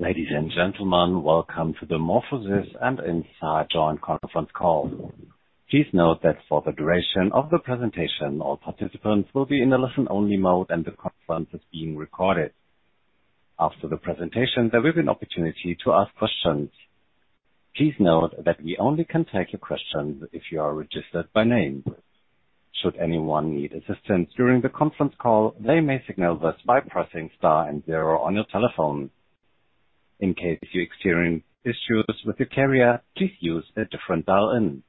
Ladies and gentlemen, welcome to the MorphoSys and Incyte Joint Conference Call. Please note that for the duration of the presentation, all participants will be in a listen-only mode, and the conference is being recorded. After the presentation, there will be an opportunity to ask questions. Please note that we only can take your questions if you are registered by name. Should anyone need assistance during the conference call, they may signal this by pressing star and zero on your telephone. In case you experience issues with your carrier, please use a different dial-in.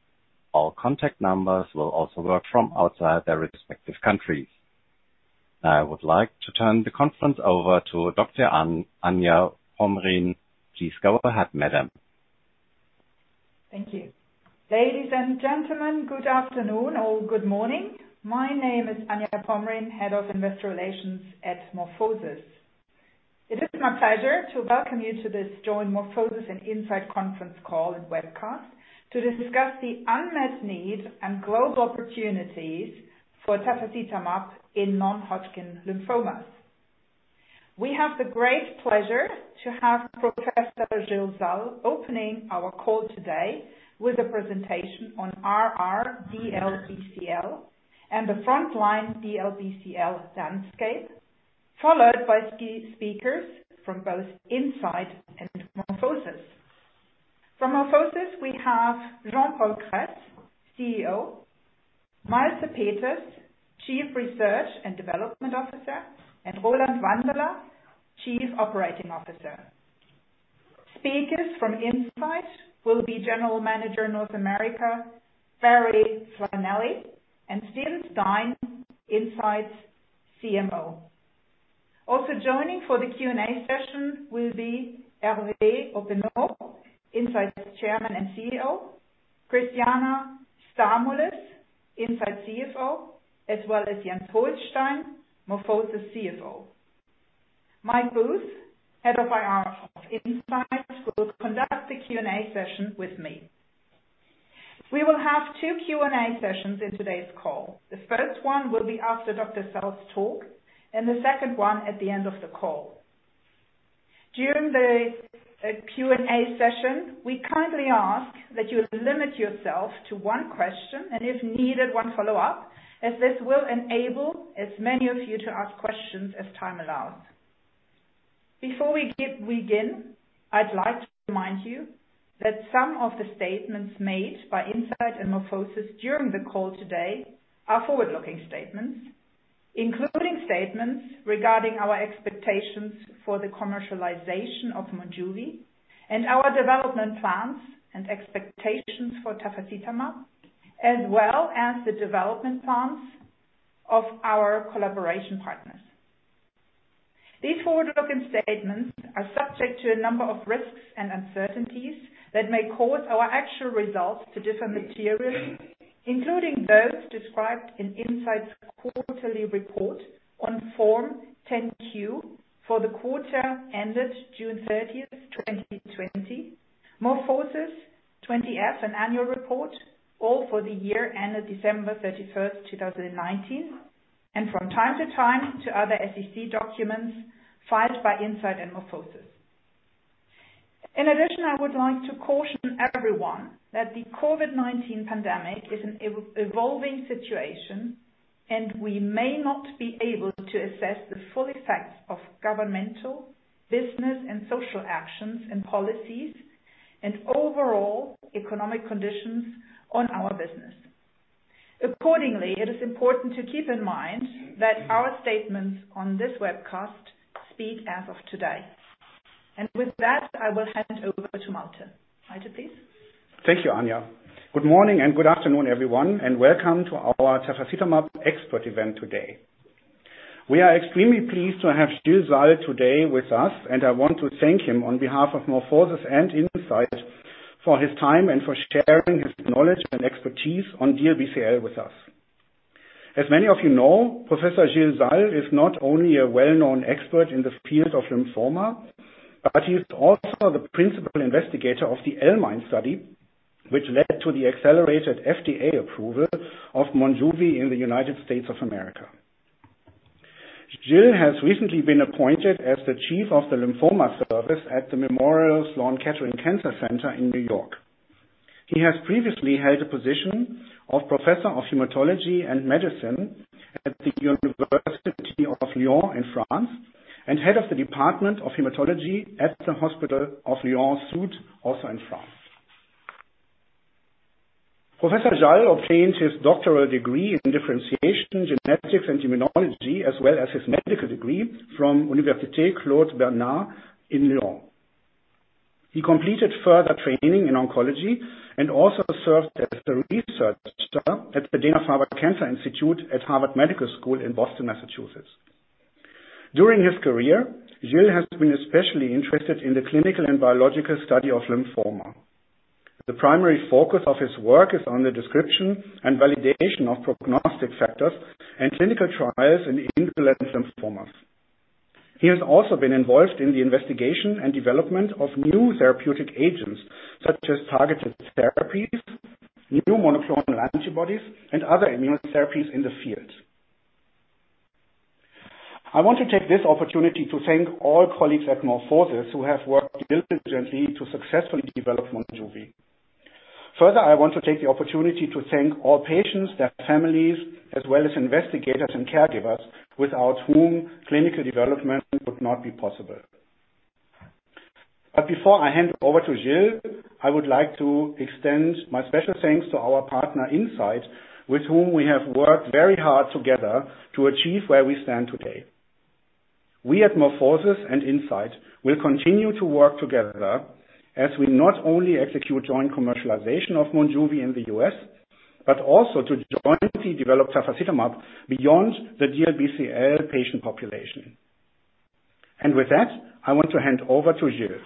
All contact numbers will also work from outside their respective countries. I would like to turn the conference over to Dr. Anja Pomrehn. Please go ahead, madam. Thank you. Ladies and gentlemen, good afternoon or good morning. My name is Anja Pomrehn, Head of Investor Relations at MorphoSys. It is my pleasure to welcome you to this Joint MorphoSys and Incyte Conference call and webcast to discuss the unmet need and global opportunities for tafasitamab in non-Hodgkin lymphomas. We have the great pleasure to have Professor Gilles Salles opening our call today with a presentation on R/R DLBCL and the frontline DLBCL landscape, followed by speakers from both Incyte and MorphoSys. From MorphoSys, we have Jean-Paul Kress, CEO; Malte Peters, Chief Research and Development Officer; and Roland Wandeler, Chief Operating Officer. Speakers from Incyte will be General Manager North America, Barry Flannelly, and Steven Stein, Incyte's CMO. Also joining for the Q&A session will be Hervé Hoppenot, Incyte's Chairman and CEO; Christiana Stamoulis, Incyte's CFO; as well as Jens Holstein, MorphoSys CFO. Mike Booth, Head of IR of Incyte, will conduct the Q&A session with me. We will have two Q&A sessions in today's call. The first one will be after Dr. Salles' talk, and the second one at the end of the call. During the Q&A session, we kindly ask that you limit yourself to one question and, if needed, one follow-up, as this will enable as many of you to ask questions as time allows. Before we begin, I'd like to remind you that some of the statements made by Incyte and MorphoSys during the call today are forward-looking statements, including statements regarding our expectations for the commercialization of Monjuvi and our development plans and expectations for tafasitamab, as well as the development plans of our collaboration partners. These forward-looking statements are subject to a number of risks and uncertainties that may cause our actual results to differ materially, including those described in Incyte's quarterly report on Form 10-Q for the quarter ended June 30th, 2020, MorphoSys 20-F, an annual report, all for the year ended December 31st, 2019, and from time to time to other SEC documents filed by Incyte and MorphoSys. In addition, I would like to caution everyone that the COVID-19 pandemic is an evolving situation, and we may not be able to assess the full effects of governmental, business, and social actions and policies and overall economic conditions on our business. Accordingly, it is important to keep in mind that our statements on this webcast speak as of today, and with that, I will hand over to Malte. Malte, please. Thank you, Anja. Good morning and good afternoon, everyone, and welcome to our tafasitamab expert event today. We are extremely pleased to have Gilles Salles today with us, and I want to thank him on behalf of MorphoSys and Incyte for his time and for sharing his knowledge and expertise on DLBCL with us. As many of you know, Professor Gilles Salles is not only a well-known expert in the field of lymphoma, but he is also the principal investigator of the L-MIND study, which led to the accelerated FDA approval of Monjuvi in the United States of America. Gilles has recently been appointed as the Chief of the Lymphoma Service at the Memorial Sloan Kettering Cancer Center in New York. He has previously held the position of Professor of Hematology and Medicine at the University of Lyon in France and Head of the Department of Hematology at the Hôpital Lyon Sud, also in France. Professor Salles obtained his doctoral degree in Differentiation Genetics and Immunology, as well as his medical degree from Université Claude Bernard in Lyon. He completed further training in oncology and also served as a researcher at the Dana-Farber Cancer Institute at Harvard Medical School in Boston, Massachusetts. During his career, he has been especially interested in the clinical and biological study of lymphoma. The primary focus of his work is on the description and validation of prognostic factors and clinical trials in indolent lymphomas. He has also been involved in the investigation and development of new therapeutic agents, such as targeted therapies, new monoclonal antibodies, and other immunotherapies in the field. I want to take this opportunity to thank all colleagues at MorphoSys who have worked diligently to successfully develop Monjuvi. Further, I want to take the opportunity to thank all patients, their families, as well as investigators and caregivers without whom clinical development would not be possible. But before I hand over to Gilles, I would like to extend my special thanks to our partner Incyte, with whom we have worked very hard together to achieve where we stand today. We at MorphoSys and Incyte will continue to work together as we not only execute joint commercialization of Monjuvi in the U.S., but also to jointly develop tafasitamab beyond the DLBCL patient population. And with that, I want to hand over to Gilles.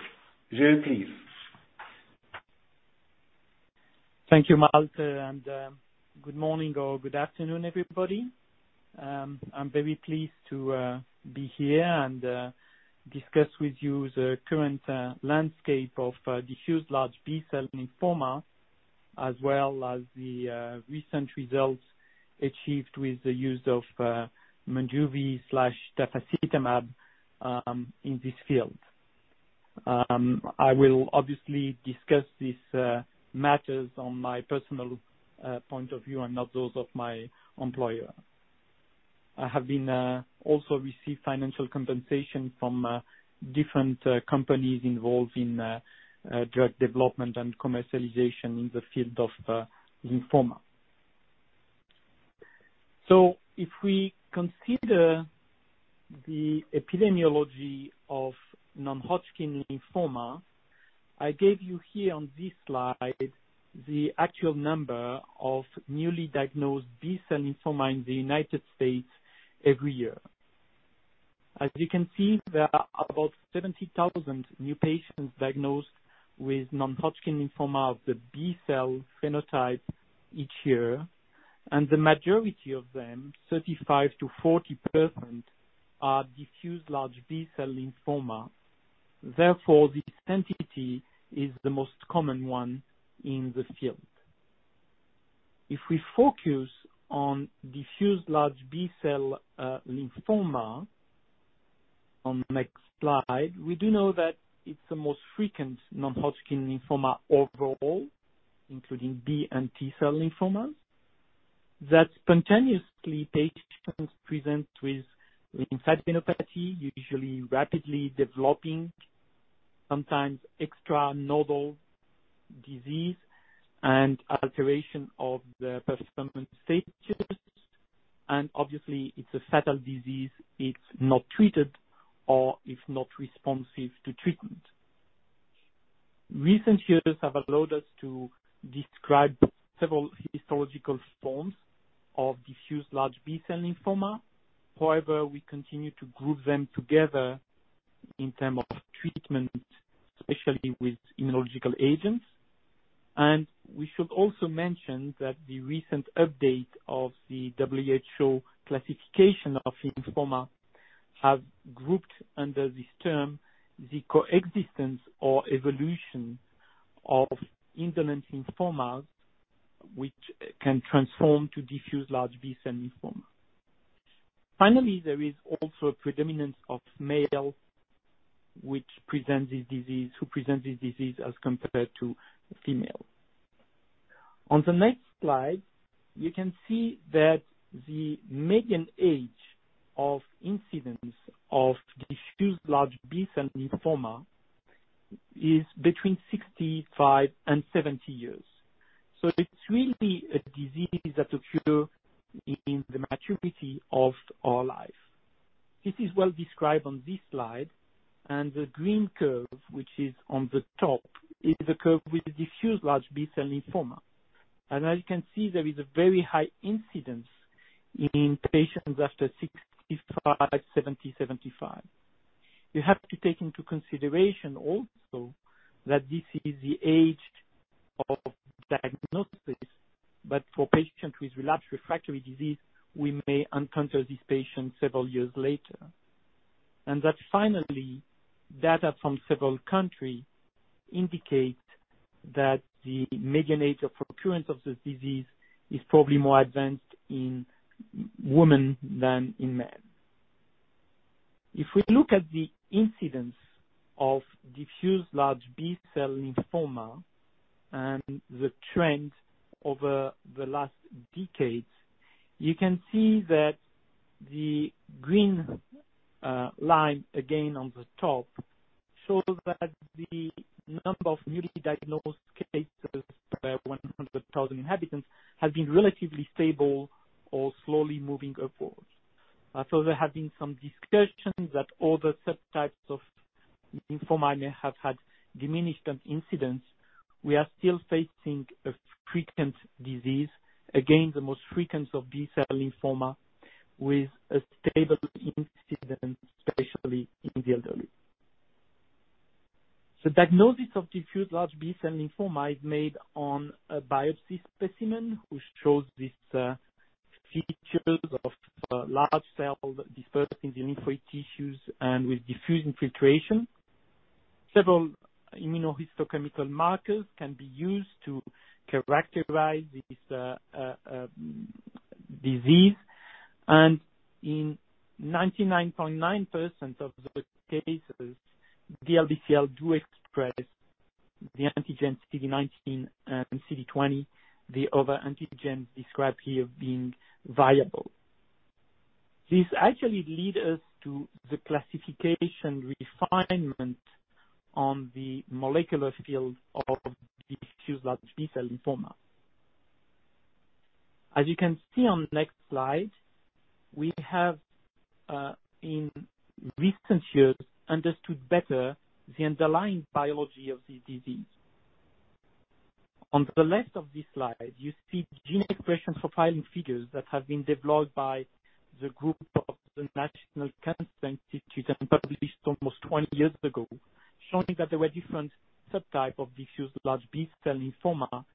Gilles, please. Thank you, Malte, and good morning or good afternoon, everybody. I'm very pleased to be here and discuss with you the current landscape of diffuse large B-cell lymphoma, as well as the recent results achieved with the use of Monjuvi/tafasitamab in this field. I will obviously discuss these matters from my personal point of view and not those of my employer. I have also received financial compensation from different companies involved in drug development and commercialization in the field of lymphoma. So if we consider the epidemiology of non-Hodgkin lymphoma, I gave you here on this slide the actual number of newly diagnosed B-cell lymphoma in the United States every year. As you can see, there are about 70,000 new patients diagnosed with non-Hodgkin lymphoma of the B-cell phenotype each year, and the majority of them, 35%-40%, are diffuse large B-cell lymphoma. Therefore, this entity is the most common one in the field. If we focus on diffuse large B-cell lymphoma on the next slide, we do know that it's the most frequent non-Hodgkin lymphoma overall, including B and T-cell lymphomas. That spontaneously, patients present with lymphadenopathy, usually rapidly developing, sometimes extranodal disease, and alteration of the performance stages, and obviously, it's a fatal disease if not treated or if not responsive to treatment. Recent years have allowed us to describe several histological forms of diffuse large B-cell lymphoma. However, we continue to group them together in terms of treatment, especially with immunological agents, and we should also mention that the recent update of the WHO classification of lymphoma has grouped under this term the coexistence or evolution of indolent lymphomas, which can transform to diffuse large B-cell lymphoma. Finally, there is also a predominance of males, which presents this disease as compared to females. On the next slide, you can see that the median age of incidence of diffuse large B-cell lymphoma is between 65 and 70 years. So it's really a disease that occurs in the maturity of our life. This is well described on this slide, and the green curve, which is on the top, is the curve with diffuse large B-cell lymphoma, and as you can see, there is a very high incidence in patients after 65, 70, 75. You have to take into consideration also that this is the age of diagnosis, but for patients with relapsed/refractory disease, we may encounter these patients several years later, and that finally, data from several countries indicate that the median age of occurrence of this disease is probably more advanced in women than in men. If we look at the incidence of diffuse large B-cell lymphoma and the trend over the last decades, you can see that the green line again on the top shows that the number of newly diagnosed cases per 100,000 inhabitants has been relatively stable or slowly moving upwards. So there have been some discussions that all the subtypes of lymphoma may have had diminished incidence. We are still facing a frequent disease, again, the most frequent of B-cell lymphoma, with a stable incidence, especially in the elderly. The diagnosis of diffuse large B-cell lymphoma is made on a biopsy specimen which shows these features of large cells dispersed in the lymphoid tissues and with diffuse infiltration. Several immunohistochemical markers can be used to characterize this disease, and in 99.9% of the cases, DLBCL do express the antigen CD19 and CD20, the other antigens described here being viable. This actually leads us to the classification refinement on the molecular field of diffuse large B-cell lymphoma. As you can see on the next slide, we have, in recent years, understood better the underlying biology of this disease. On the left of this slide, you see gene expression profiling figures that have been developed by the group of the National Cancer Institute and published almost 20 years ago, showing that there were different subtypes of diffuse large B-cell lymphoma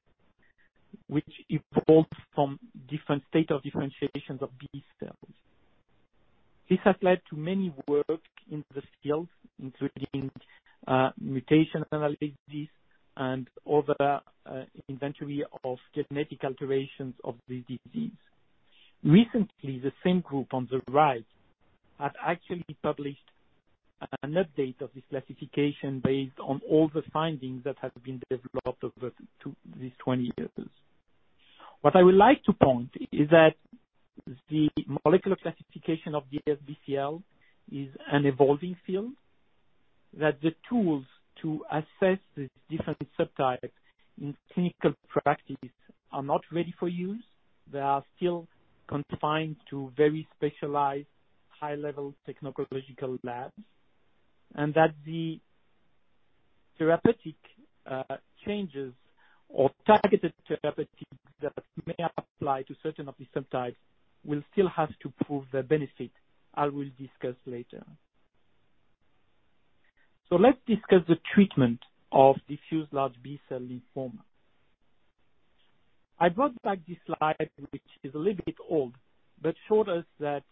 which evolved from different states of differentiation of B-cells. This has led to many work in the field, including mutation analysis and other inventory of genetic alterations of this disease. Recently, the same group on the right has actually published an update of this classification based on all the findings that have been developed over these 20 years. What I would like to point to is that the molecular classification of DLBCL is an evolving field, that the tools to assess these different subtypes in clinical practice are not ready for use. They are still confined to very specialized high-level technological labs, and that the therapeutic changes or targeted therapeutics that may apply to certain of these subtypes will still have to prove their benefit, as we'll discuss later. So let's discuss the treatment of diffuse large B-cell lymphoma. I brought back this slide, which is a little bit old, but showed us that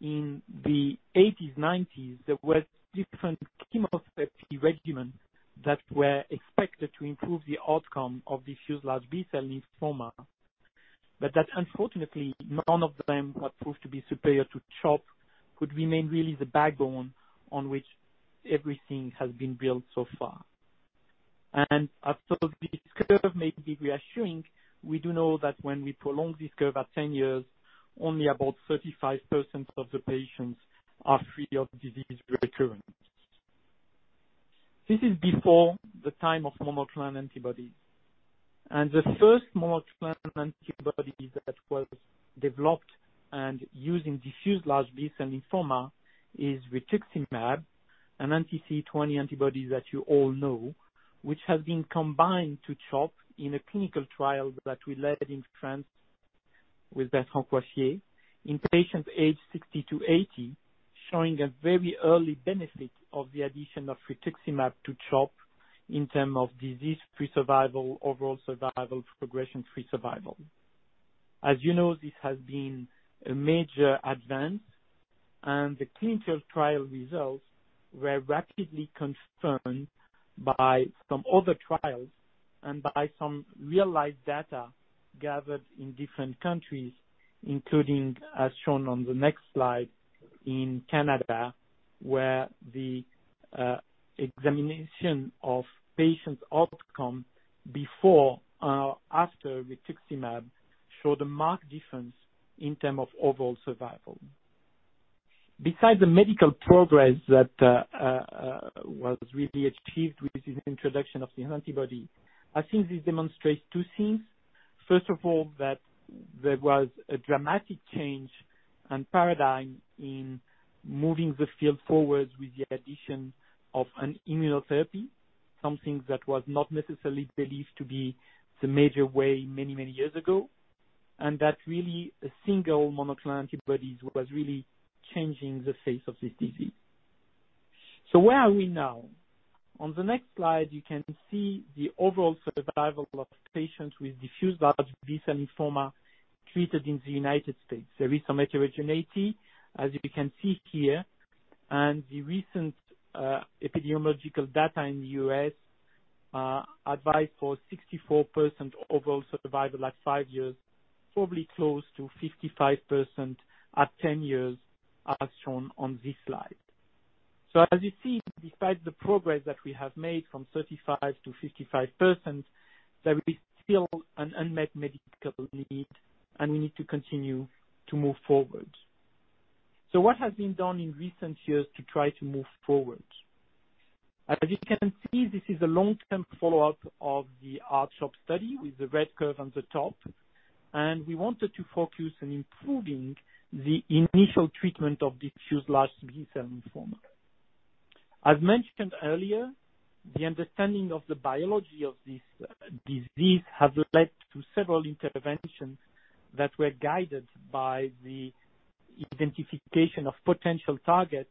in the 1980s, 1990s, there were different chemotherapy regimens that were expected to improve the outcome of diffuse large B-cell lymphoma, but that unfortunately, none of them were proved to be superior to CHOP, which remains really the backbone on which everything has been built so far. Although this curve may be reassuring, we do know that when we prolong this curve by 10 years, only about 35% of the patients are free of disease recurrence. This is before the time of monoclonal antibodies. The first monoclonal antibody that was developed and used in diffuse large B-cell lymphoma is rituximab, an anti-CD20 antibody that you all know, which has been combined to CHOP in a clinical trial that we led in France with Bertrand Coiffier in patients aged 60-80, showing a very early benefit of the addition of rituximab to CHOP in terms of disease-free survival, overall survival, progression-free survival. As you know, this has been a major advance, and the clinical trial results were rapidly confirmed by some other trials and by some realized data gathered in different countries, including, as shown on the next slide, in Canada, where the examination of patients' outcome before and after rituximab showed a marked difference in terms of overall survival. Besides the medical progress that was really achieved with the introduction of this antibody, I think this demonstrates two things. First of all, that there was a dramatic change and paradigm in moving the field forward with the addition of an immunotherapy, something that was not necessarily believed to be the major way many, many years ago, and that really a single monoclonal antibody was really changing the face of this disease. So where are we now? On the next slide, you can see the overall survival of patients with diffuse large B-cell lymphoma treated in the United States. There is some heterogeneity, as you can see here, and the recent epidemiological data in the U.S. advised for 64% overall survival at five years, probably close to 55% at 10 years, as shown on this slide, so as you see, despite the progress that we have made from 35% to 55%, there is still an unmet medical need, and we need to continue to move forward, so what has been done in recent years to try to move forward? As you can see, this is a long-term follow-up of the R-CHOP study with the red curve on the top, and we wanted to focus on improving the initial treatment of diffuse large B-cell lymphoma. As mentioned earlier, the understanding of the biology of this disease has led to several interventions that were guided by the identification of potential targets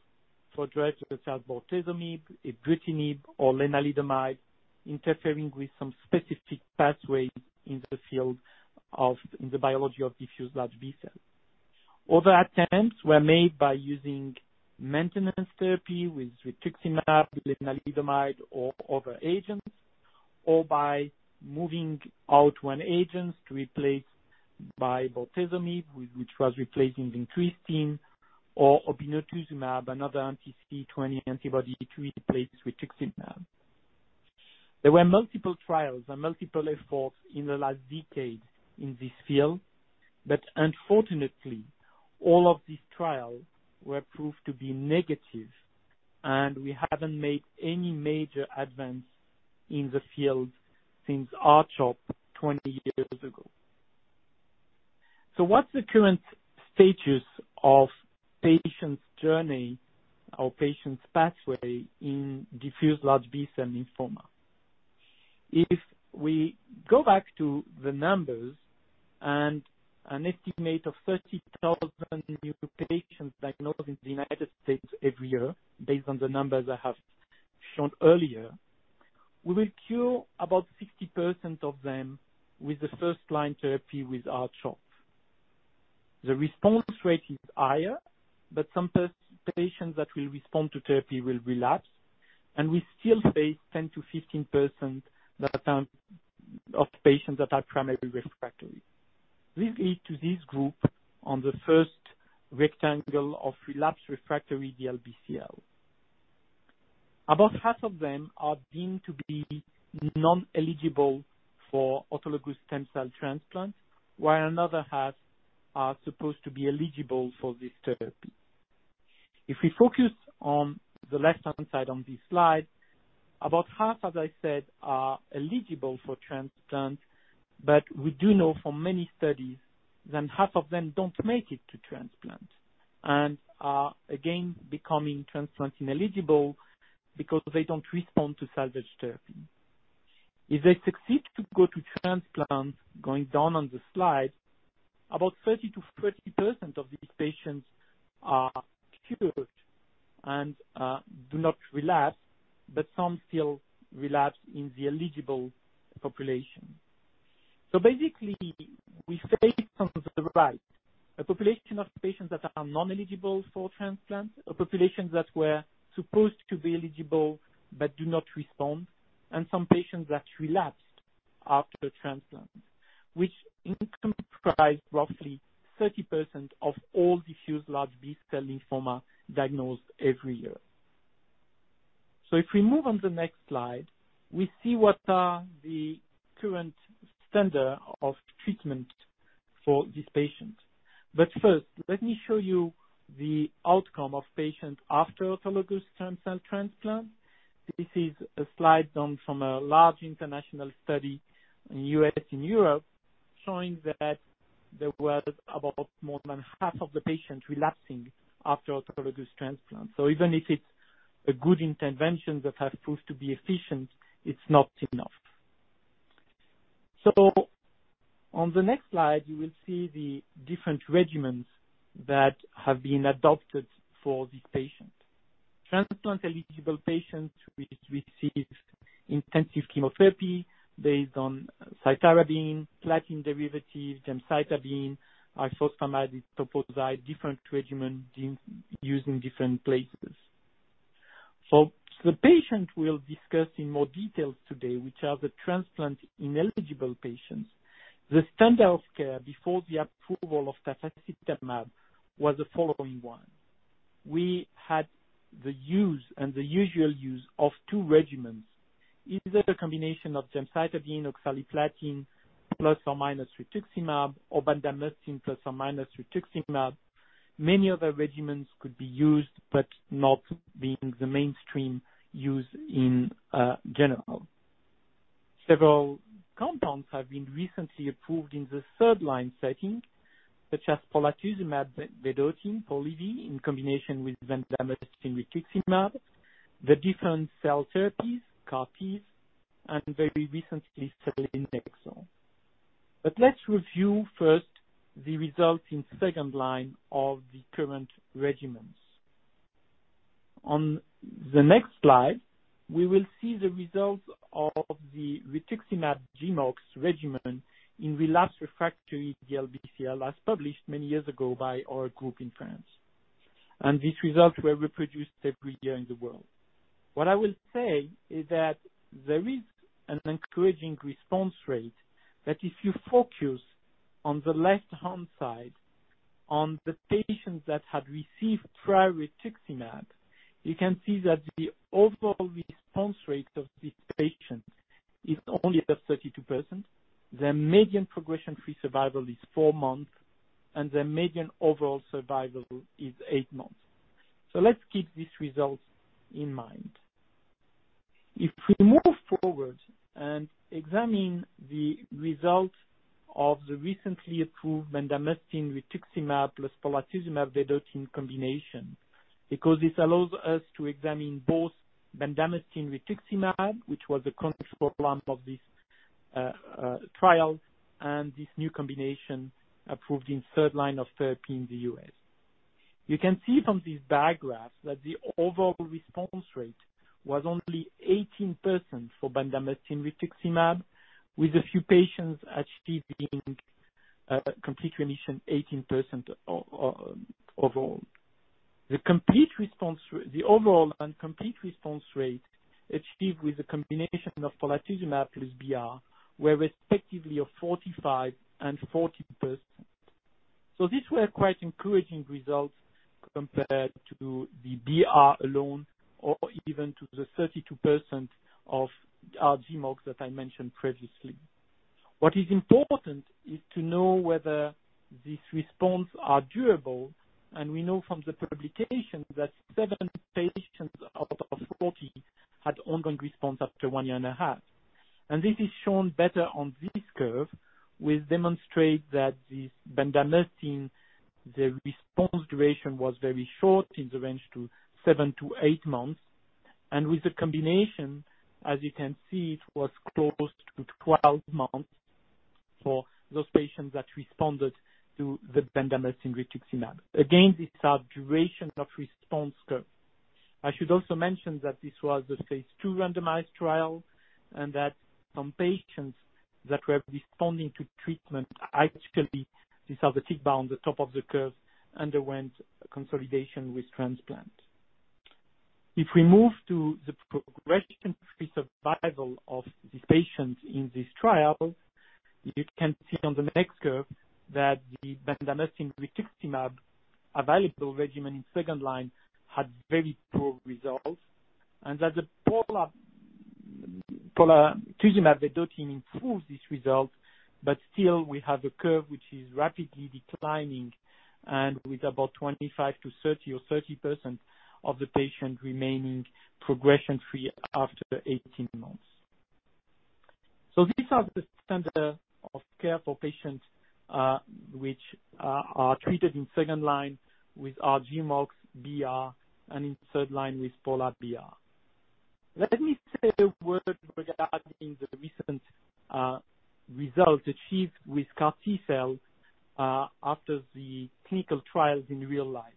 for drugs such as bortezomib, ibrutinib, or lenalidomide, interfering with some specific pathways in the field of the biology of diffuse large B-cell. Other attempts were made by using maintenance therapy with rituximab, lenalidomide, or other agents, or by moving out one agent to replace by bortezomib, which was replacing vincristine, or obinutuzumab, another anti-CD20 antibody to replace rituximab. There were multiple trials and multiple efforts in the last decade in this field, but unfortunately, all of these trials were proved to be negative, and we haven't made any major advance in the field since R-CHOP 20 years ago. So what's the current status of patients' journey or patients' pathway in diffuse large B-cell lymphoma? If we go back to the numbers and an estimate of 30,000 new patients diagnosed in the United States every year, based on the numbers I have shown earlier, we will cure about 60% of them with the first-line therapy with R-CHOP. The response rate is higher, but some patients that will respond to therapy will relapse, and we still face 10%-15% of patients that are primarily refractory. This leads to this group on the first rectangle of relapsed/refractory DLBCL. About half of them are deemed to be ineligible for autologous stem cell transplant, while another half are supposed to be eligible for this therapy. If we focus on the left-hand side on this slide, about half, as I said, are eligible for transplant, but we do know from many studies that half of them don't make it to transplant and are again becoming transplant-ineligible because they don't respond to salvage therapy. If they succeed to go to transplant, going down on the slide, about 30%-40% of these patients are cured and do not relapse, but some still relapse in the eligible population. So basically, we face on the right a population of patients that are non-eligible for transplant, a population that were supposed to be eligible but do not respond, and some patients that relapsed after transplant, which comprised roughly 30% of all diffuse large B-cell lymphoma diagnosed every year. If we move on to the next slide, we see what are the current standard of treatment for this patient. But first, let me show you the outcome of patients after autologous stem cell transplant. This is a slide done from a large international study in the U.S. and Europe, showing that there was about more than half of the patients relapsing after autologous transplant. Even if it's a good intervention that has proved to be efficient, it's not enough. On the next slide, you will see the different regimens that have been adopted for this patient. Transplant-eligible patients receive intensive chemotherapy based on cytarabine, platinum derivative, gemcitabine, ifosfamide etoposide, different regimens used in different places. The patient we'll discuss in more detail today, which are the transplant-ineligible patients, the standard of care before the approval of tafasitamab was the following one. We had the use and the usual use of two regimens. Either a combination of gemcitabine or oxaliplatin plus or minus rituximab, or bendamustine plus or minus rituximab. Many other regimens could be used, but not being the mainstream use in general. Several compounds have been recently approved in the third-line setting, such as polatuzumab vedotin in combination with bendamustine-rituximab, the different cell therapies, CAR-Ts, and very recently selinexor. But let's review first the results in the second line of the current regimens. On the next slide, we will see the results of the rituximab-GMOX regimen in relapsed/refractory DLBCL, as published many years ago by our group in France. These results were reproduced every year in the world. What I will say is that there is an encouraging response rate that if you focus on the left-hand side, on the patients that had received prior rituximab, you can see that the overall response rate of these patients is only about 32%. Their median progression-free survival is four months, and their median overall survival is eight months. So let's keep these results in mind. If we move forward and examine the result of the recently approved bendamustine-rituximab plus polatuzumab vedotin combination, because this allows us to examine both bendamustine-rituximab, which was the control arm of this trial, and this new combination approved in the third line of therapy in the U.S. You can see from these bar graphs that the overall response rate was only 18% for bendamustine-rituximab, with a few patients achieving complete remission, 18% overall. The overall and complete response rate achieved with the combination of polatuzumab plus BR were respectively of 45% and 40%. So these were quite encouraging results compared to the BR alone or even to the 32% of GMOX that I mentioned previously. What is important is to know whether these responses are durable, and we know from the publication that seven patients out of 40 had ongoing responses after one year and a half. And this is shown better on this curve, which demonstrates that this bendamustine, the response duration was very short in the range to seven to eight months, and with the combination, as you can see, it was close to 12 months for those patients that responded to the bendamustine-rituximab. Again, these are duration of response curves. I should also mention that this was a phase 2 randomized trial and that some patients that were responding to treatment, actually, these are the tick marks on the top of the curve, underwent consolidation with transplant. If we move to the progression-free survival of these patients in this trial, you can see on the next curve that the bendamustine-rituximab available regimen in the second line had very poor results, and that the polatuzumab vedotin improved these results, but still we have a curve which is rapidly declining and with about 25%-30% or 30% of the patients remaining progression-free after 18 months. So these are the standard of care for patients which are treated in the second line with GMOX, BR, and in the third line with polatuzumab BR. Let me say a word regarding the recent results achieved with CAR-T cell after the clinical trials in real life,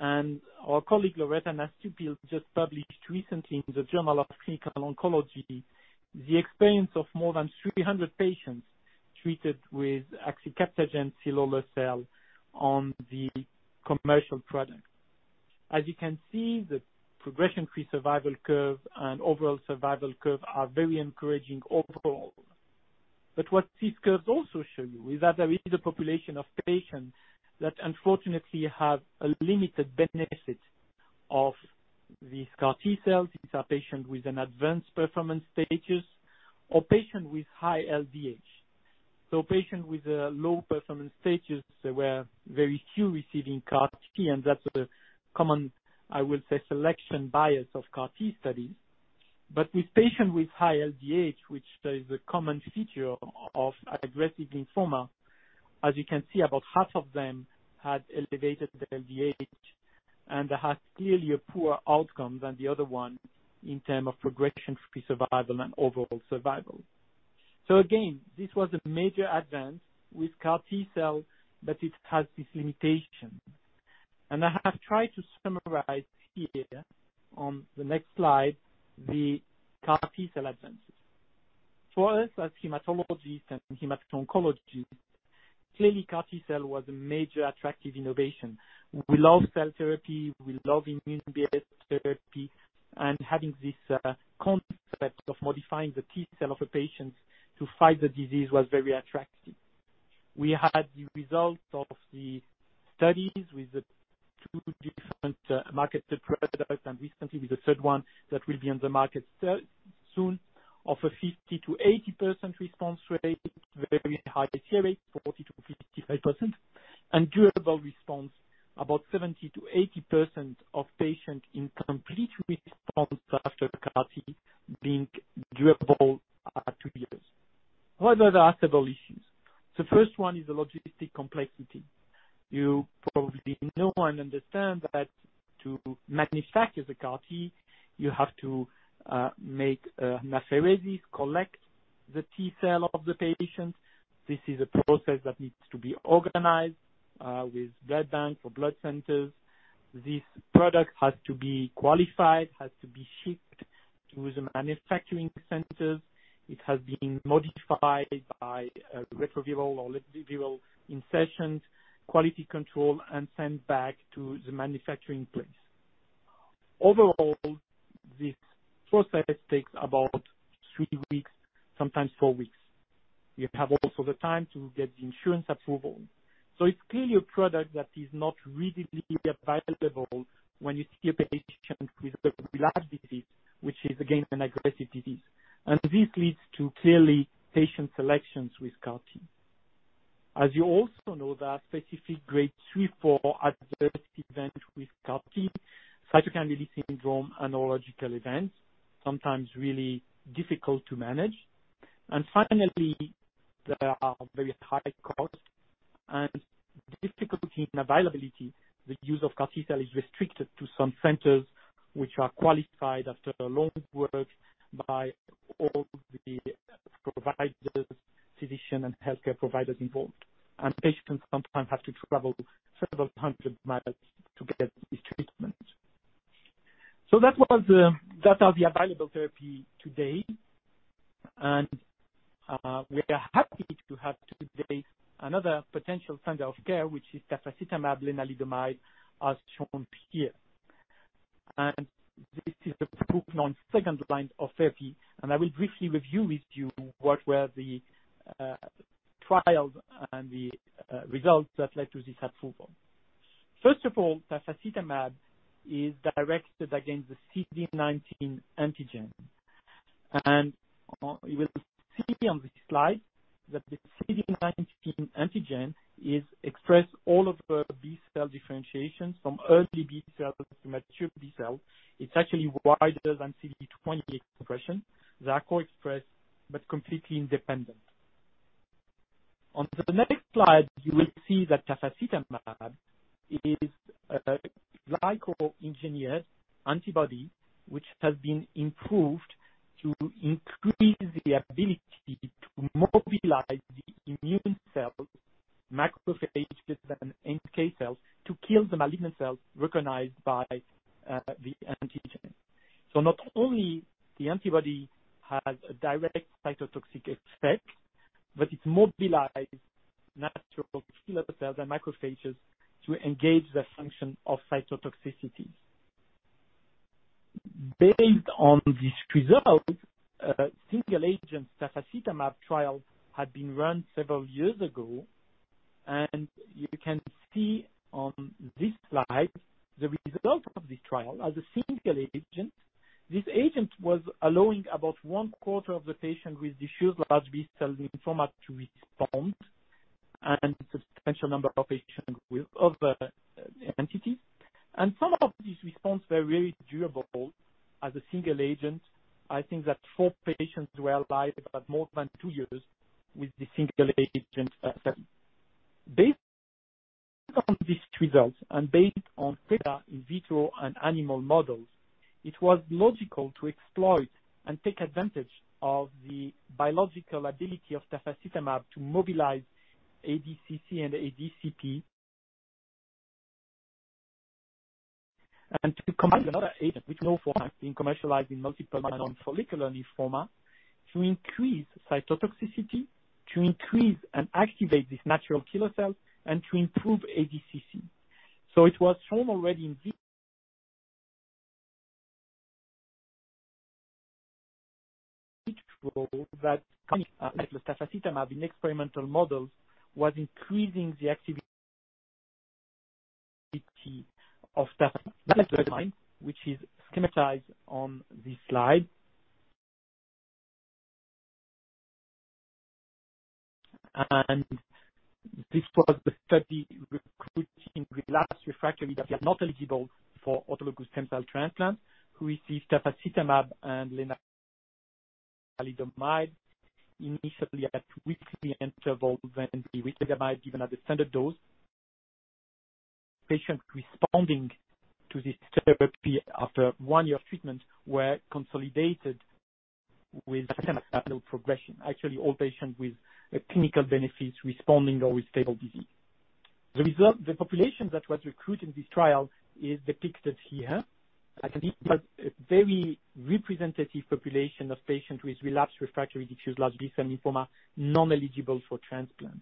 and our colleague Loretta Nastupil just published recently in the Journal of Clinical Oncology the experience of more than 300 patients treated with axicabtagene ciloleucel on the commercial product. As you can see, the progression-free survival curve and overall survival curve are very encouraging overall, but what these curves also show you is that there is a population of patients that unfortunately have a limited benefit of these CAR-T cells. These are patients with an advanced performance status or patients with high LDH. So patients with a low performance status, there were very few receiving CAR-T, and that's a common, I will say, selection bias of CAR-T studies. But with patients with high LDH, which is a common feature of aggressive lymphoma, as you can see, about half of them had elevated LDH and had clearly a poor outcome than the other ones in terms of progression-free survival and overall survival. So again, this was a major advance with CAR-T cell, but it has these limitations. And I have tried to summarize here on the next slide the CAR-T cell advances. For us as hematologists and hemato-oncologists, clearly CAR-T cell was a major attractive innovation. We love cell therapy. We love immune-based therapy. And having this concept of modifying the T-cell of a patient to fight the disease was very attractive. We had the result of the studies with the two different marketed products and recently with the third one that will be on the market soon, of a 50%-80% response rate, very high CR rate, 40%-55%, and durable response, about 70%-80% of patients in complete response after CAR-T being durable at two years. What were the other issues? The first one is the logistic complexity. You probably know and understand that to manufacture the CAR-T, you have to make an apheresis, collect the T-cell of the patient. This is a process that needs to be organized with blood banks or blood centers. This product has to be qualified, has to be shipped to the manufacturing centers. It has been modified by retroviral or lentiviral insertions, quality control, and sent back to the manufacturing place. Overall, this process takes about three weeks, sometimes four weeks. You have also the time to get the insurance approval, so it's clearly a product that is not readily available when you see a patient with a relapsed disease, which is again an aggressive disease, and this leads to clearly patient selections with CAR-T. As you also know, there are specific grade 3, 4 adverse events with CAR-T, cytokine release syndrome, and neurological events, sometimes really difficult to manage, and finally, there are very high costs and difficulty in availability. The use of CAR-T cell is restricted to some centers which are qualified after long work by all the providers, physicians, and healthcare providers involved, and patients sometimes have to travel several hundred miles to get this treatment, so that was the data of the available therapy today. We are happy to have today another potential standard of care, which is tafasitamab lenalidomide as shown here. This is approved on the second line of therapy. I will briefly review with you what were the trials and the results that led to this approval. First of all, tafasitamab is directed against the CD19 antigen. You will see on this slide that the CD19 antigen expresses all of the B-cell differentiations from early B-cells to mature B-cells. It's actually wider than CD20 expression. They are co-expressed but completely independent. On the next slide, you will see that tafasitamab is a glyco-engineered antibody which has been improved to increase the ability to mobilize the immune cells, macrophages, and NK cells to kill the malignant cells recognized by the antigen. Not only does the antibody have a direct cytotoxic effect, but it mobilizes natural killer cells and macrophages to engage the function of cytotoxicities. Based on these results, a single-agent tafasitamab trial had been run several years ago. You can see on this slide the result of this trial as a single agent. This agent was allowing about one quarter of the patients with diffuse large B-cell lymphoma to respond, and a substantial number of patients with other entities. Some of these responses were very durable as a single agent. I think that four patients were alive for more than two years with the single-agent tafasitamab. Based on these results and based on data in vitro and animal models, it was logical to exploit and take advantage of the biological ability of tafasitamab to mobilize ADCC and ADCP and to combine with another agent, lenalidomide, being commercialized in multiple myeloma, follicular lymphoma, to increase cytotoxicity, to increase and activate these natural killer cells, and to improve ADCC. So it was shown already in this context that tafasitamab in experimental models was increasing the activity of tafasitamab, which is schematized on this slide. And this was the study recruiting relapsed or refractory that were not eligible for autologous stem cell transplant, who received tafasitamab and lenalidomide initially at weekly intervals, then the lenalidomide given at the standard dose. Patients responding to this therapy after one year of treatment were consolidated with tafasitamab and lenalidomide until progression. Actually, all patients with clinical benefits responding or with stable disease. The population that was recruited in this trial is depicted here. I can see a very representative population of patients with relapsed refractory diffuse large B-cell lymphoma, non-eligible for transplant.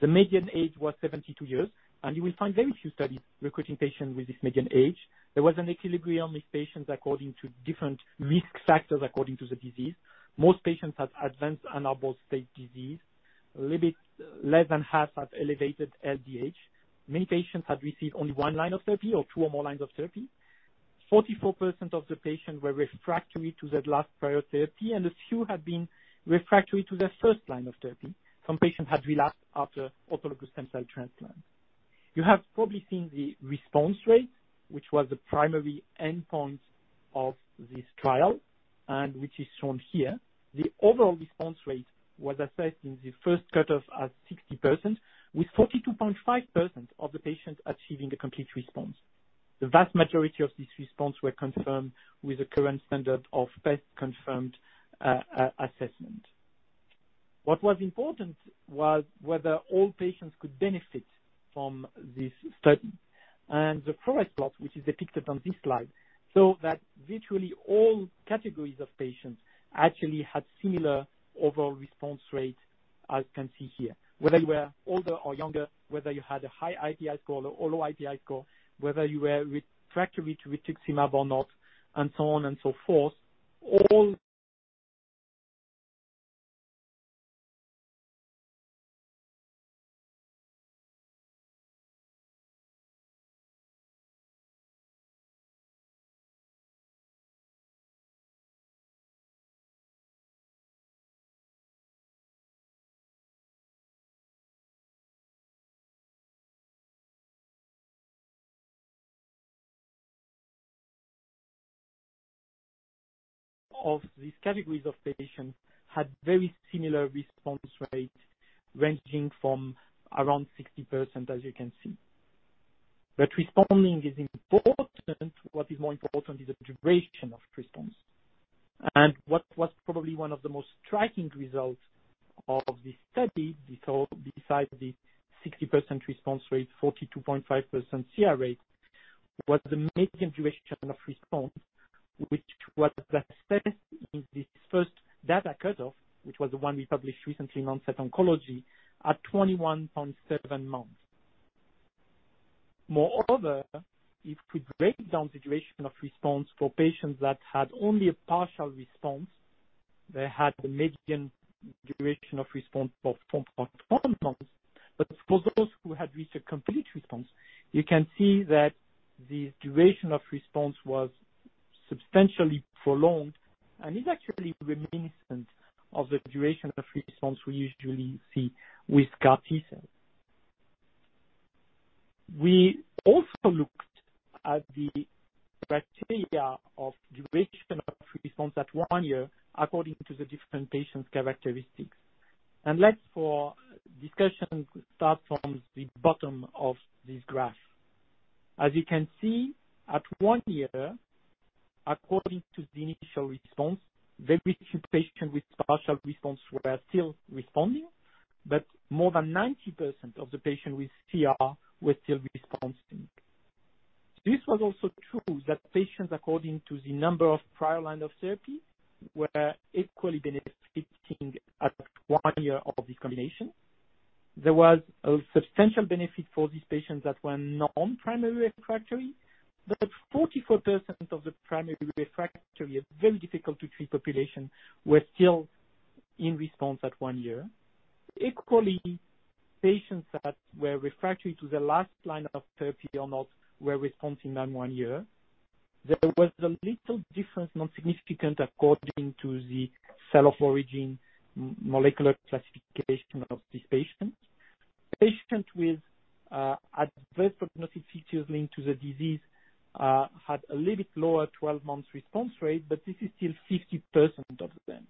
The median age was 72 years. And you will find very few studies recruiting patients with this median age. There was an equilibrium with patients according to different risk factors according to the disease. Most patients had advanced Ann Arbor stage disease. A little bit less than half had elevated LDH. Many patients had received only one line of therapy or two or more lines of therapy. 44% of the patients were refractory to the last prior therapy, and a few had been refractory to the first line of therapy. Some patients had relapsed after autologous stem cell transplant. You have probably seen the response rate, which was the primary endpoint of this trial, and which is shown here. The overall response rate was assessed in the first cutoff as 60%, with 42.5% of the patients achieving a complete response. The vast majority of these responses were confirmed with the current standard of best confirmed assessment. What was important was whether all patients could benefit from this study, and the progress plot, which is depicted on this slide, shows that virtually all categories of patients actually had similar overall response rates, as you can see here, whether you were older or younger, whether you had a high IPI score or low IPI score, whether you were refractory to rituximab or not, and so on and so forth. Of these categories of patients, they had very similar response rates, ranging from around 60%, as you can see, but responding is important. What is more important is the duration of response. What was probably one of the most striking results of this study, besides the 60% response rate, 42.5% CR rate, was the median duration of response, which was assessed in this first data cutoff, which was the one we published recently in The Oncologist, at 21.7 months. Moreover, if we break down the duration of response for patients that had only a partial response, they had the median duration of response of 4.1 months. But for those who had reached a complete response, you can see that the duration of response was substantially prolonged, and it actually remains the same as the duration of response we usually see with CAR-T cells. We also looked at the criteria of duration of response at one year according to the different patients' characteristics. Let's, for discussion, start from the bottom of this graph. As you can see, at one year, according to the initial response, very few patients with partial response were still responding, but more than 90% of the patients with CR were still responding. This was also true that patients, according to the number of prior lines of therapy, were equally benefiting at one year of this combination. There was a substantial benefit for these patients that were non-primarily refractory, but 44% of the primarily refractory, very difficult to treat population, were still in response at one year. Equally, patients that were refractory to the last line of therapy or not were responding at one year. There was a little difference, not significant, according to the cell of origin molecular classification of these patients. Patients with adverse prognostic features linked to the disease had a little bit lower 12-month response rate, but this is still 50% of them.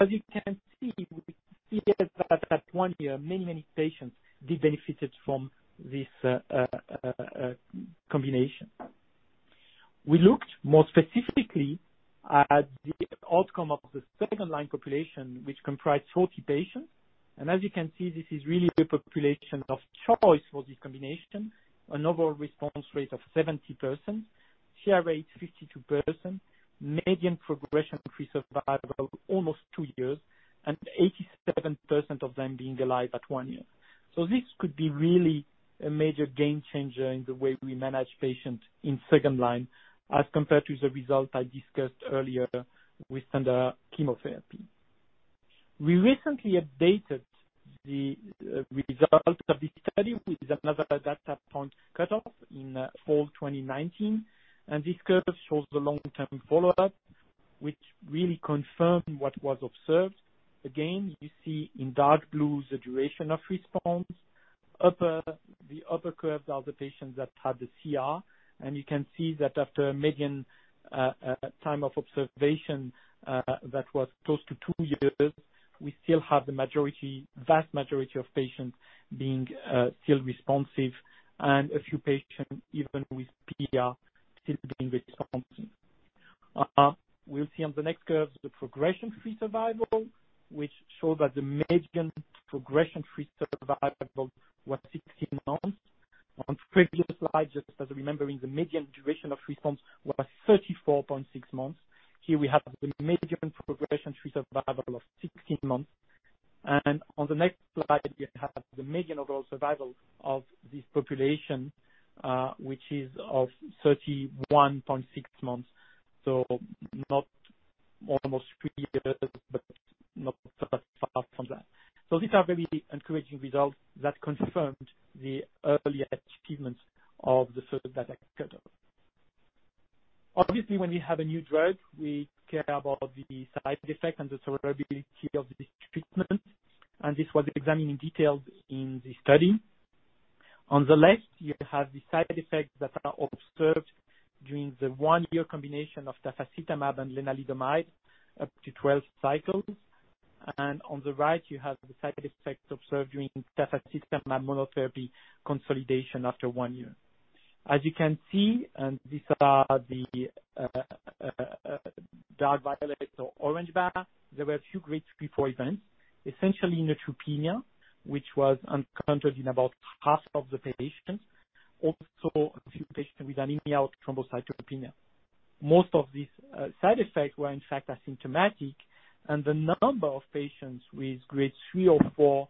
As you can see, we see that at one year, many, many patients did benefit from this combination. We looked more specifically at the outcome of the second line population, which comprised 40 patients. As you can see, this is really the population of choice for this combination, an overall response rate of 70%, CR rate 52%, median progression-free survival almost two years, and 87% of them being alive at one year. This could be really a major game changer in the way we manage patients in second line as compared to the result I discussed earlier with standard chemotherapy. We recently updated the result of this study with another data point cutoff in fall 2019. This curve shows the long-term follow-up, which really confirmed what was observed. Again, you see in dark blue the duration of response. The upper curve are the patients that had the CR. And you can see that after a median time of observation that was close to two years, we still have the vast majority of patients being still responsive, and a few patients even with PR still being responsive. We'll see on the next curve the progression-free survival, which shows that the median progression-free survival was 16 months. On the previous slide, just as a reminder, the median duration of response was 34.6 months. Here we have the median progression-free survival of 16 months. And on the next slide, we have the median overall survival of this population, which is of 31.6 months. So not almost three years, but not that far from that. So these are very encouraging results that confirmed the early achievements of the first data cutoff. Obviously, when we have a new drug, we care about the side effects and the tolerability of this treatment. This was examined in detail in the study. On the left, you have the side effects that are observed during the one-year combination of tafasitamab and lenalidomide up to 12 cycles. On the right, you have the side effects observed during tafasitamab monotherapy consolidation after one year. As you can see, these are the dark violet or orange bars. There were a few grade 3/4 events, essentially neutropenia, which was encountered in about half of the patients, also a few patients with anemia or thrombocytopenia. Most of these side effects were, in fact, asymptomatic. The number of patients with grade 3 or 4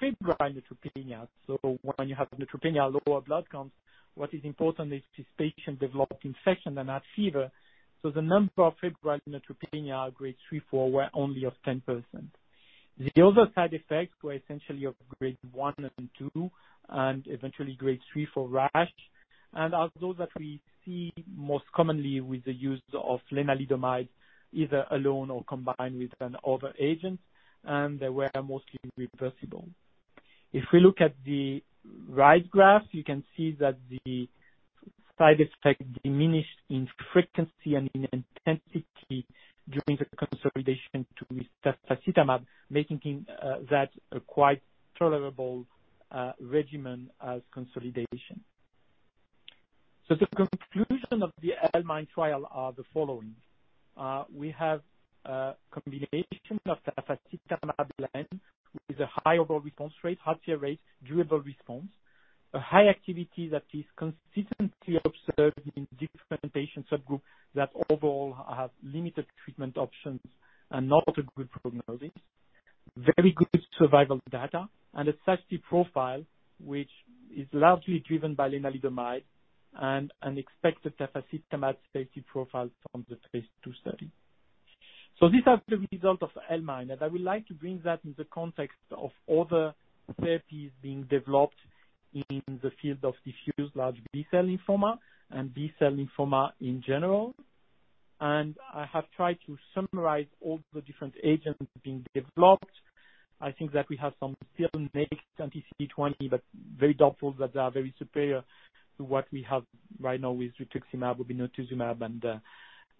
febrile neutropenia, so when you have neutropenia, lower blood counts, what is important is this patient developed infection and had fever. So the number of febrile neutropenia grade 3, 4 were only 10%. The other side effects were essentially of grade 1 and 2, and eventually grade 3 for rash. And those that we see most commonly with the use of lenalidomide, either alone or combined with another agent, and they were mostly reversible. If we look at the right graph, you can see that the side effect diminished in frequency and in intensity during the consolidation to tafasitamab, making that a quite tolerable regimen as consolidation. So the conclusion of the L-MIND trial is the following. We have a combination of tafasitamab-lenalidomide with a high overall response rate, high CR rate, durable response, a high activity that is consistently observed in different patient subgroups that overall have limited treatment options and not a good prognosis, very good survival data, and a safety profile which is largely driven by lenalidomide and an expected tafasitamab safety profile from the phase 2 study. So these are the results of L-MIND. And I would like to bring that in the context of other therapies being developed in the field of diffuse large B-cell lymphoma and B-cell lymphoma in general. And I have tried to summarize all the different agents being developed. I think that we have some novel anti-CD20, but very doubtful that they are very superior to what we have right now with rituximab, obinutuzumab, and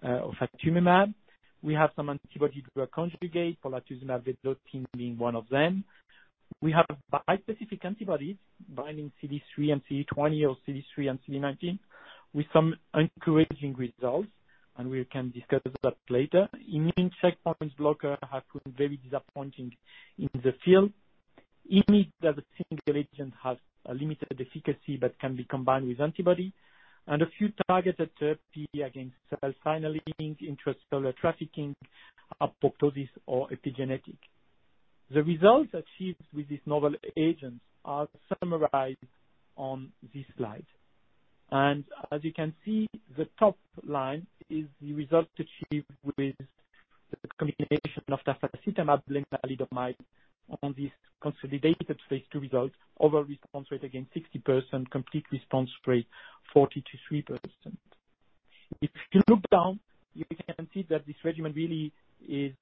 ofatumumab. We have some antibody-drug conjugate, polatuzumab vedotin being one of them. We have bispecific antibodies binding CD3 and CD20 or CD3 and CD19 with some encouraging results, and we can discuss that later. Immune checkpoint blockers have proven very disappointing in the field. Immune as a single agent has limited efficacy but can be combined with antibody. And a few targeted therapies against cell signaling, intracellular trafficking, apoptosis, or epigenetic. The results achieved with these novel agents are summarized on this slide. And as you can see, the top line is the result achieved with the combination of tafasitamab, lenalidomide on this consolidated phase 2 result, overall response rate again 60%, complete response rate 42%. If you look down, you can see that this regimen really is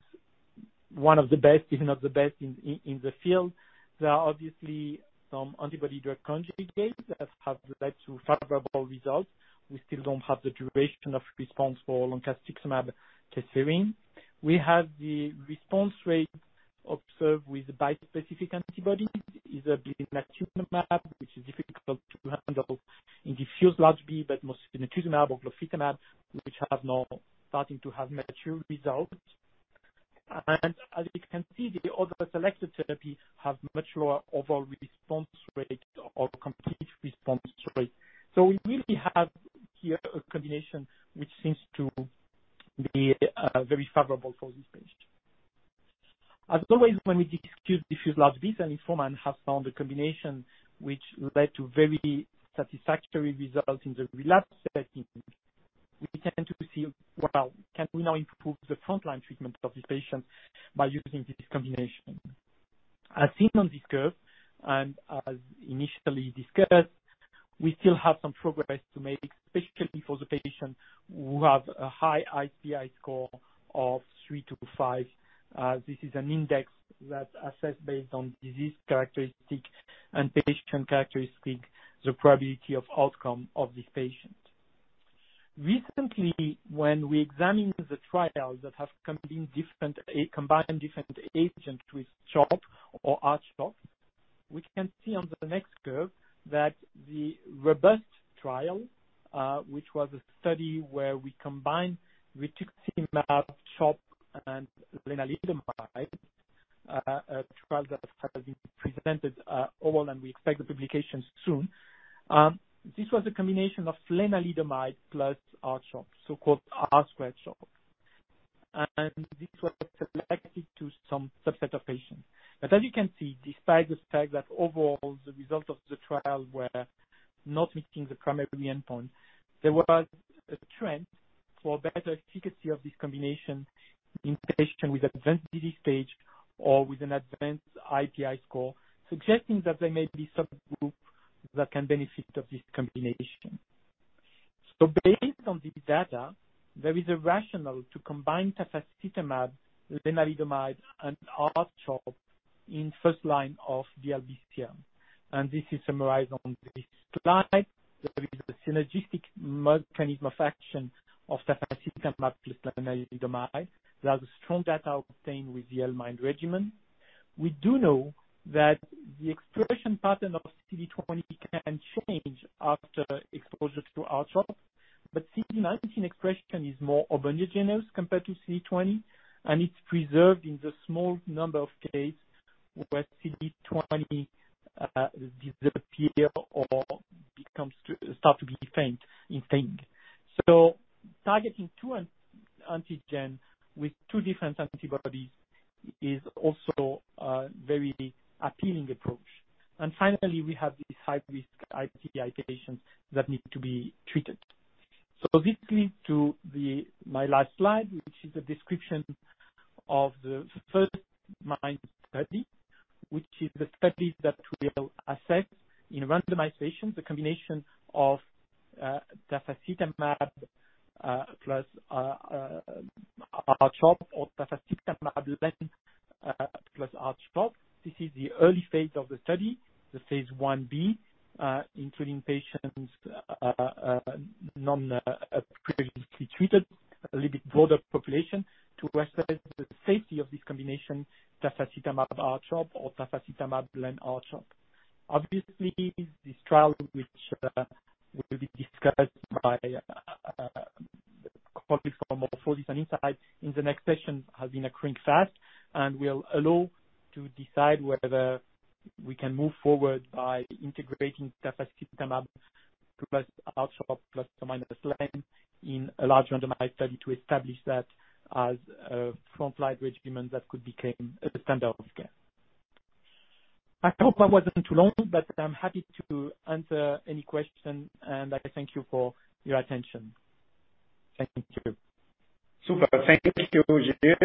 one of the best, if not the best, in the field. There are obviously some antibody-drug conjugates that have led to favorable results. We still don't have the duration of response for loncastuximab tesirine. We have the response rate observed with bispecific antibodies, either being ofatumumab, which is difficult to handle in diffuse large B-cell, but mostly ofatumumab or glofitamab, which have now started to have mature results. And as you can see, the other selected therapies have much lower overall response rate or complete response rate. So we really have here a combination which seems to be very favorable for this patient. As always, when we discuss diffuse large B-cell lymphoma and have found a combination which led to very satisfactory results in the relapse setting, we tend to see, well, can we now improve the frontline treatment of these patients by using this combination? As seen on this curve, and as initially discussed, we still have some progress to make, especially for the patients who have a high IPI score of three to five. This is an index that assesses based on disease characteristics and patient characteristics, the probability of outcome of this patient. Recently, when we examined the trials that have combined different agents with CHOP or RCHOP, we can see on the next curve that the ROBUST trial, which was a study where we combined rituximab, CHOP, and lenalidomide, a trial that has been presented overall, and we expect the publication soon, this was a combination of lenalidomide plus RCHOP, so-called R squared CHOP, and this was selected to some subset of patients. But as you can see, despite the fact that overall the results of the trial were not meeting the primary endpoint, there was a trend for better efficacy of this combination in patients with advanced disease stage or with an advanced IPI score, suggesting that there may be subgroups that can benefit of this combination. So based on these data, there is a rationale to combine tafasitamab, lenalidomide, and R-CHOP in first line of DLBCL. And this is summarized on this slide. There is a synergistic mechanism of action of tafasitamab plus lenalidomide. There are strong data obtained with the L-MIND regimen. We do know that the expression pattern of CD20 can change after exposure to R-CHOP, but CD19 expression is more homogeneous compared to CD20, and it's preserved in the small number of cases where CD20 disappears or starts to be faint. So targeting two antigens with two different antibodies is also a very appealing approach. And finally, we have these high-risk IPI patients that need to be treated. So this leads to my last slide, which is a description of the First-MIND study, which is the study that will assess in randomized patients the combination of tafasitamab plus R-CHOP or tafasitamab plus R-CHOP. This is the early phase of the study, the phase 1b, including patients not previously treated, a little bit broader population, to assess the safety of this combination, tafasitamab R-CHOP or tafasitamab and R-CHOP. Obviously, this trial, which will be discussed by colleagues from MorphoSys and Incyte in the next session, has been accruing fast and will allow us to decide whether we can move forward by integrating tafasitamab plus R-CHOP plus/minus lenalidomide in a large randomized study to establish that as a frontline regimen that could become a standard of care. I hope I wasn't too long, but I'm happy to answer any questions, and I thank you for your attention. Thank you. Super. Thank you, Jte.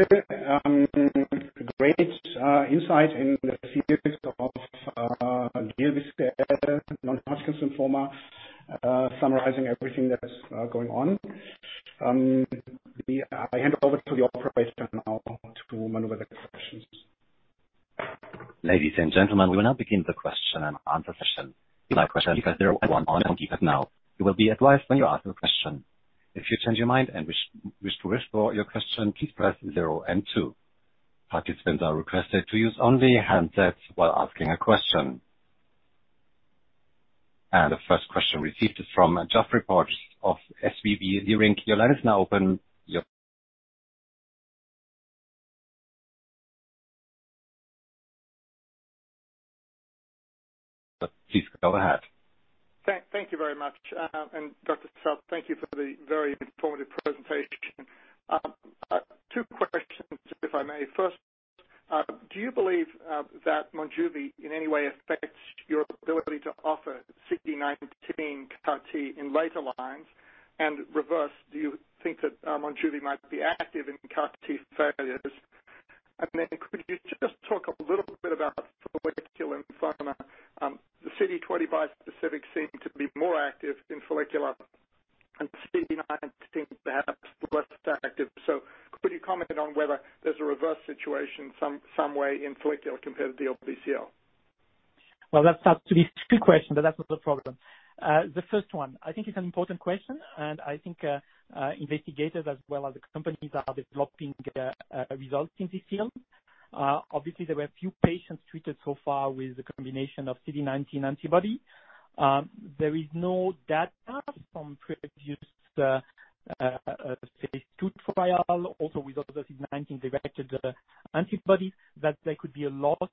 Great insight in the field of DLBCL, non-Hodgkin's lymphoma, summarizing everything that's going on. I hand it over to the operator now to maneuver the questions. Ladies and gentlemen, we will now begin the question and answer session. If you'd like to press 0 or 1 on any of these now, you will be advised when you ask a question. If you change your mind and wish to restore your question, please press 0 and 2. Participants are requested to use only handsets while asking a question, and the first question received is from Geoffrey Porges of SVB Leerink. Your line is now open. Please go ahead. Thank you very much. And Dr. Salles, thank you for the very informative presentation. Two questions, if I may. First, do you believe that Monjuvi in any way affects your ability to offer CD19 CAR-T in later lines? And reverse, do you think that Monjuvi might be active in CAR-T failures? And then could you just talk a little bit about follicular lymphoma? The CD20 bispecific seemed to be more active in follicular, and CD19 perhaps less active. So could you comment on whether there's a reverse situation some way in follicular compared to DLBCL? That's too difficult a question, but that's not a problem. The first one, I think it's an important question, and I think investigators as well as the companies are developing results in this field. Obviously, there were a few patients treated so far with the combination of CD19 antibody. There is no data from previous phase 2 trial, also with other CD19-directed antibodies, that there could be a loss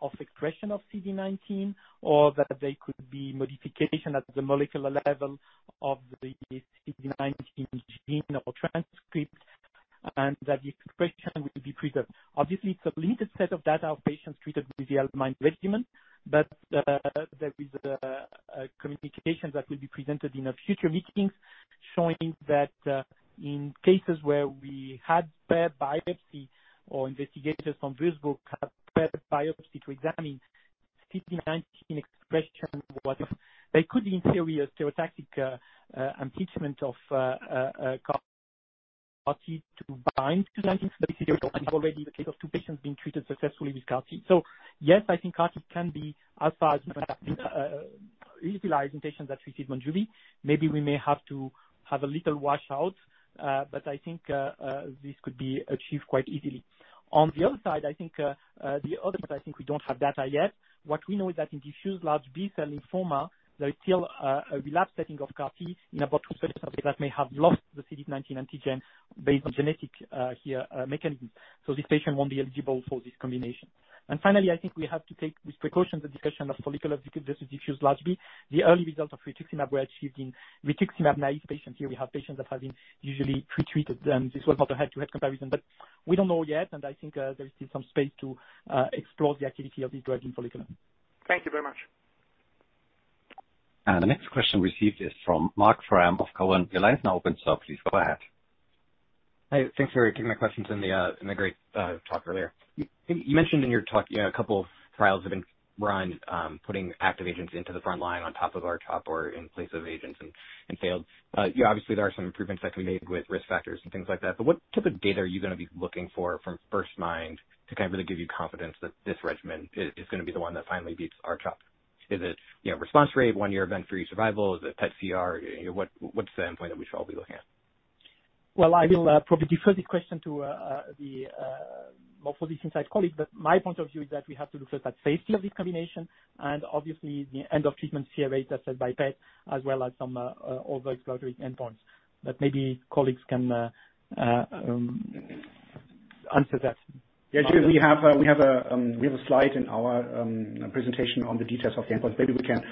of expression of CD19 or that there could be modification at the molecular level of the CD19 gene or transcript, and that the expression would be preserved. Obviously, it's a limited set of data of patients treated with the L-MIND regimen, but there is a communication that will be presented in future meetings showing that in cases where we had spare biopsy or investigators from Würzburg had spare biopsy to examine CD19 expression, there could be no steric hindrance of CAR-T to bind CD19. But this is already the case of two patients being treated successfully with CAR-T. So yes, I think CAR-T can be, as far as we've utilized in patients that receive Monjuvi, maybe we may have to have a little washout. But I think this could be achieved quite easily. On the other side, I think the other part, I think we don't have data yet. What we know is that in diffuse large B-cell lymphoma, there is still a relapse setting of CAR-T in about 2% of patients that may have lost the CD19 antigen based on genetic mechanisms. So this patient won't be eligible for this combination. And finally, I think we have to take with precaution the discussion of follicular versus diffuse large B-cell. The early results of rituximab were achieved in rituximab naive patients. Here we have patients that have been usually pretreated, and this was not a head-to-head comparison, but we don't know yet, and I think there is still some space to explore the activity of this drug in follicular. Thank you very much. The next question received is from Marc Frahm of Cowen. Your line is now open, so please go ahead. Hey, thanks for taking my questions in the great talk earlier. You mentioned in your talk a couple of trials have been run putting active agents into the front line on top of R-CHOP or in place of agents and failed. Obviously, there are some improvements that can be made with risk factors and things like that. But what type of data are you going to be looking for from First-MIND to kind of really give you confidence that this regimen is going to be the one that finally beats R-CHOP? Is it response rate, one-year event-free survival? Is it PET-CR? What's the endpoint that we should all be looking at? I will probably defer the question to the MorphoSys Incyte colleagues, but my point of view is that we have to look at the safety of this combination and obviously the end-of-treatment CR assessed by PET as well as some other exploratory endpoints. But maybe colleagues can answer that. Yeah, Jte, we have a slide in our presentation on the details of the endpoints. Maybe we can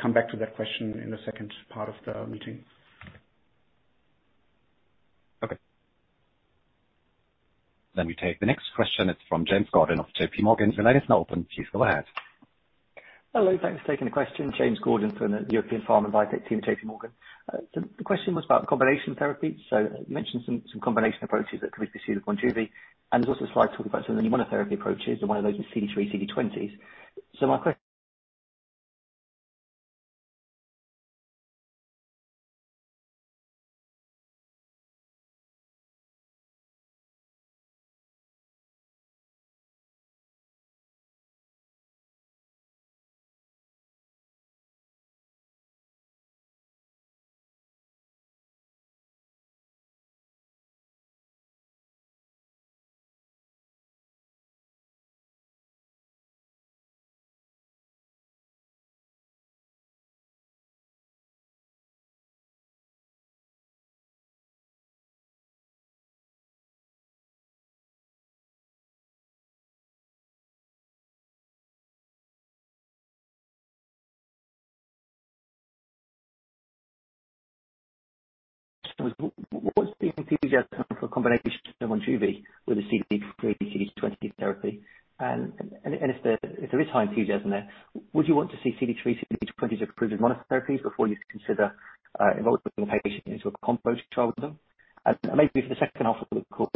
come back to that question in the second part of the meeting. Okay. Then we take the next question. It's from James Gordon of JPMorgan. Your line is now open. Please go ahead. Hello. Thanks for taking the question. James Gordon from the European Pharma and Biotech Team at JPMorgan. The question was about combination therapy. So you mentioned some combination approaches that could be pursued with Monjuvi. And there's also a slide talking about some of the new monotherapy approaches, and one of those is CD3, CD20s. So my question was the enthusiasm for a combination of Monjuvi with the CD3, CD20 therapy. And if there is high enthusiasm there, would you want to see CD3, CD20s approved as monotherapies before you consider involving a patient into a combo trial with them? And maybe for the second half of the call,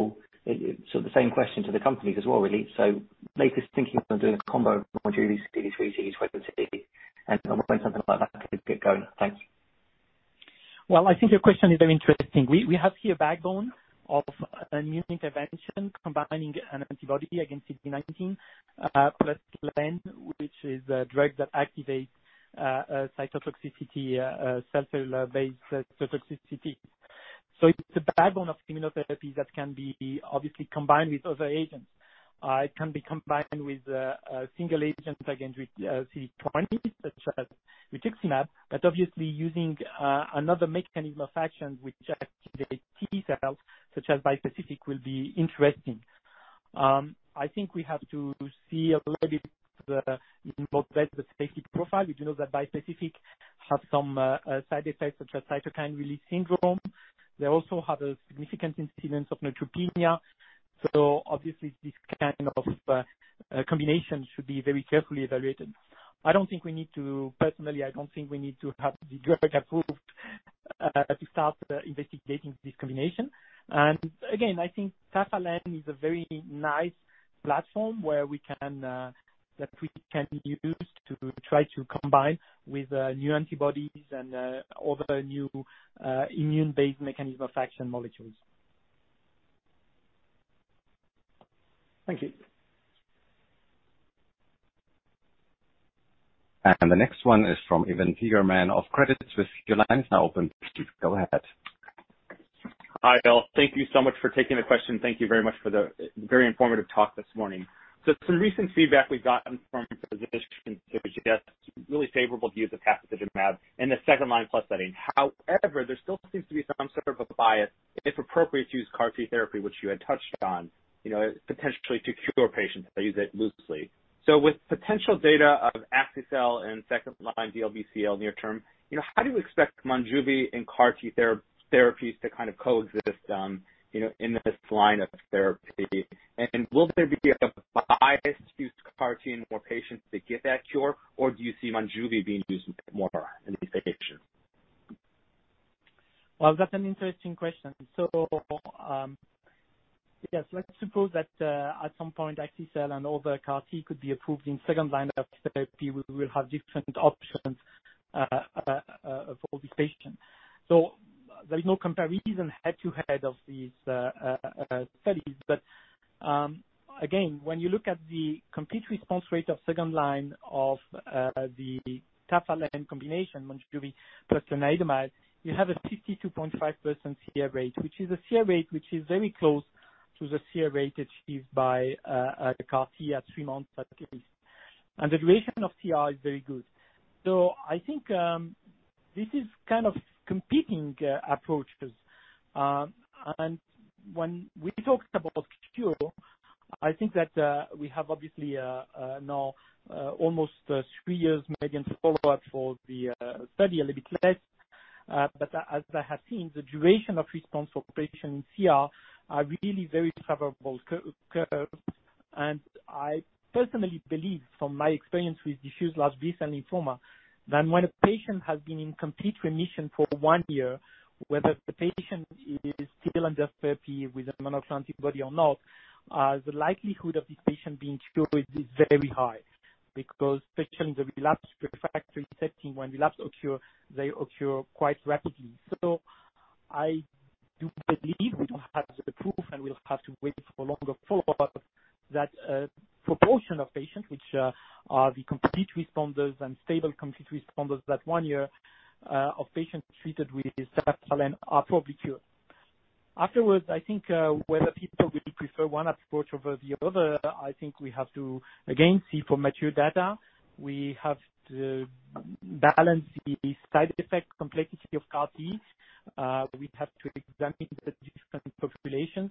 sort of the same question to the companies as well, really. So latest thinking on doing a combo of Monjuvi, CD3, CD20, and when something like that could get going. Thanks. I think your question is very interesting. We have here a backbone of an immune intervention combining an antibody against CD19 plus len, which is a drug that activates cytotoxicity, cellular-based cytotoxicity. So it's a backbone of immunotherapies that can be obviously combined with other agents. It can be combined with single agents against CD20s such as rituximab, but obviously using another mechanism of action which activates T cells such as bispecific will be interesting. I think we have to see a little bit in both beds the safety profile. We do know that bispecific has some side effects such as cytokine release syndrome. They also have a significant incidence of neutropenia. So obviously, this kind of combination should be very carefully evaluated. I don't think we need to have the drug approved to start investigating this combination. Again, I think Tafa-Len is a very nice platform that we can use to try to combine with new antibodies and other new immune-based mechanism of action molecules. Thank you. The next one is from Evan Seigerman of Credit Suisse. Your line is now open. Please go ahead. Hi, all. Thank you so much for taking the question. Thank you very much for the very informative talk this morning. So some recent feedback we've gotten from physicians suggests really favorable views of tafasitamab in the second line plus setting. However, there still seems to be some sort of a bias, if appropriate, to use CAR-T therapy, which you had touched on, potentially to cure patients that use it loosely. So with potential data of Axi-cel and second line DLBCL near term, how do you expect Monjuvi and CAR-T therapies to kind of coexist in this line of therapy? And will there be a bias to use CAR-T in more patients that get that cure, or do you see Monjuvi being used more in these patients? That's an interesting question. Yes, let's suppose that at some point axi-cel and other CAR-T could be approved in second line therapy, we will have different options for this patient. There is no comparison head-to-head of these studies, but again, when you look at the complete response rate of second line of the tafasitamab + lenalidomide combination, Monjuvi plus lenalidomide, you have a 52.5% CR rate, which is a CR rate which is very close to the CR rate achieved by CAR-T at three months at least. The duration of CR is very good. I think this is kind of competing approaches. When we talked about cure, I think that we have obviously now almost three years median follow-up for the study, a little bit less. But as I have seen, the duration of response for patients in CR are really very favorable curves. I personally believe, from my experience with diffuse large B-cell lymphoma, that when a patient has been in complete remission for one year, whether the patient is still under therapy with a monoclonal antibody or not, the likelihood of this patient being cured is very high because especially in the relapsed/refractory setting, when relapse occurs, they occur quite rapidly. I do believe we don't have the proof, and we'll have to wait for longer follow-up, that a proportion of patients which are the complete responders and stable complete responders that one year of patients treated with Tafalene are probably cured. Afterwards, I think whether people will prefer one approach over the other, I think we have to, again, see for mature data. We have to balance the side effect complexity of CAR-T. We have to examine the different populations.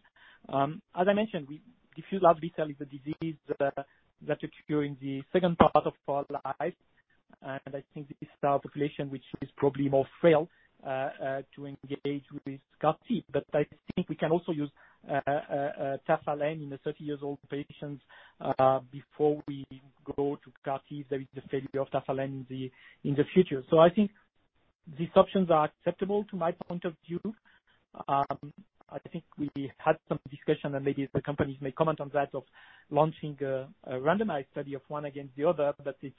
As I mentioned, diffuse large B-cell is a disease that occurs in the second part of our lives, and I think this is our population, which is probably more frail to engage with CAR-T, but I think we can also use Tafalene in a 30-year-old patient before we go to CAR-T if there is a failure of Tafalene in the future, so I think these options are acceptable to my point of view. I think we had some discussion, and maybe the companies may comment on that, of launching a randomized study of one against the other, but it's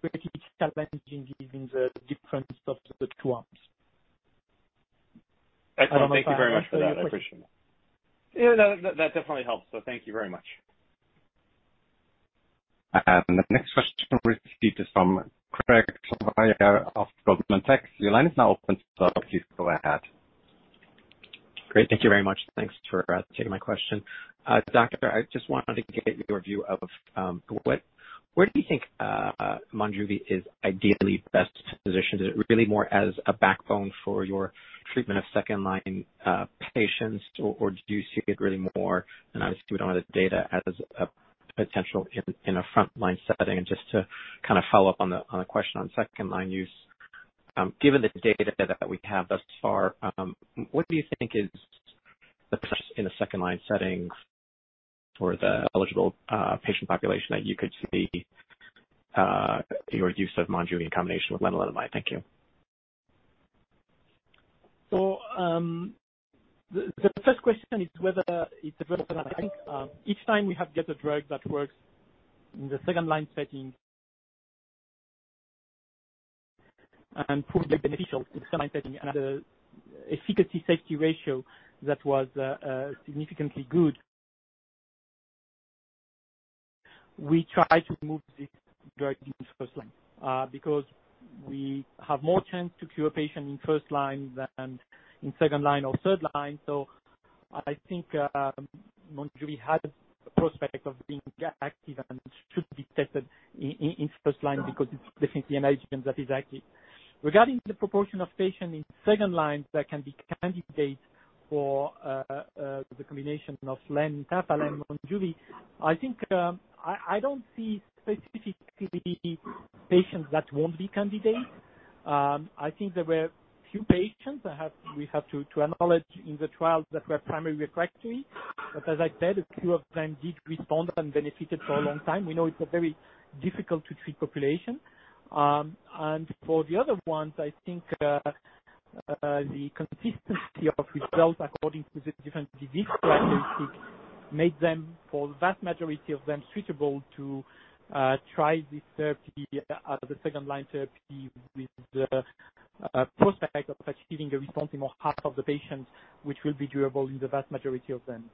pretty challenging given the difference of the two arms. Excellent. Thank you very much for that. I appreciate it. Yeah, that definitely helps. So thank you very much. The next question received is from Craig Suvannavejh of Goldman Sachs. Your line is now open. So please go ahead. Great. Thank you very much. Thanks for taking my question. Doctor, I just wanted to get your view of where do you think Monjuvi is ideally best positioned? Is it really more as a backbone for your treatment of second line patients, or do you see it really more? And obviously, we don't have the data as a potential in a front line setting. And just to kind of follow up on the question on second line use, given the data that we have thus far, what do you think is the best in a second line setting for the eligible patient population that you could see your use of Monjuvi in combination with lenalidomide? Thank you. So the first question is whether it's a drug that I think each time we have get a drug that works in the second line setting and proved beneficial in the second line setting, and the efficacy safety ratio that was significantly good, we try to move this drug in first line because we have more chance to cure a patient in first line than in second line or third line. So I think Monjuvi has a prospect of being active and should be tested in first line because it's definitely an agent that is active. Regarding the proportion of patients in second line that can be candidates for the combination of Len, Tafalene, Monjuvi, I think I don't see specifically patients that won't be candidates. I think there were few patients that we have to acknowledge in the trials that were primary refractory. But as I said, a few of them did respond and benefited for a long time. We know it's a very difficult-to-treat population. And for the other ones, I think the consistency of results according to the different disease characteristics made them, for the vast majority of them, suitable to try this therapy as a second line therapy with the prospect of achieving a response in more half of the patients, which will be durable in the vast majority of them.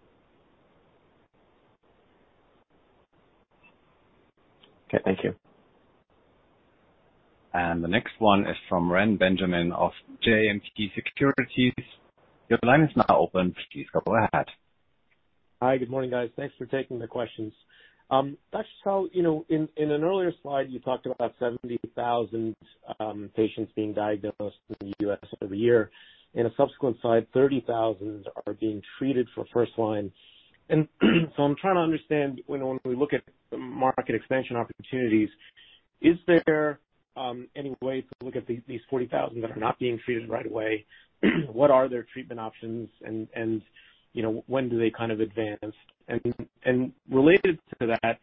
Okay. Thank you. And the next one is from Reni Benjamin of JMP Securities. Your line is now open. Please go ahead. Hi, good morning, guys. Thanks for taking the questions. Dr. Sal, in an earlier slide, you talked about 70,000 patients being diagnosed in the U.S. every year. In a subsequent slide, 30,000 are being treated for first line. And so I'm trying to understand when we look at market expansion opportunities, is there any way to look at these 40,000 that are not being treated right away? What are their treatment options, and when do they kind of advance? And related to that,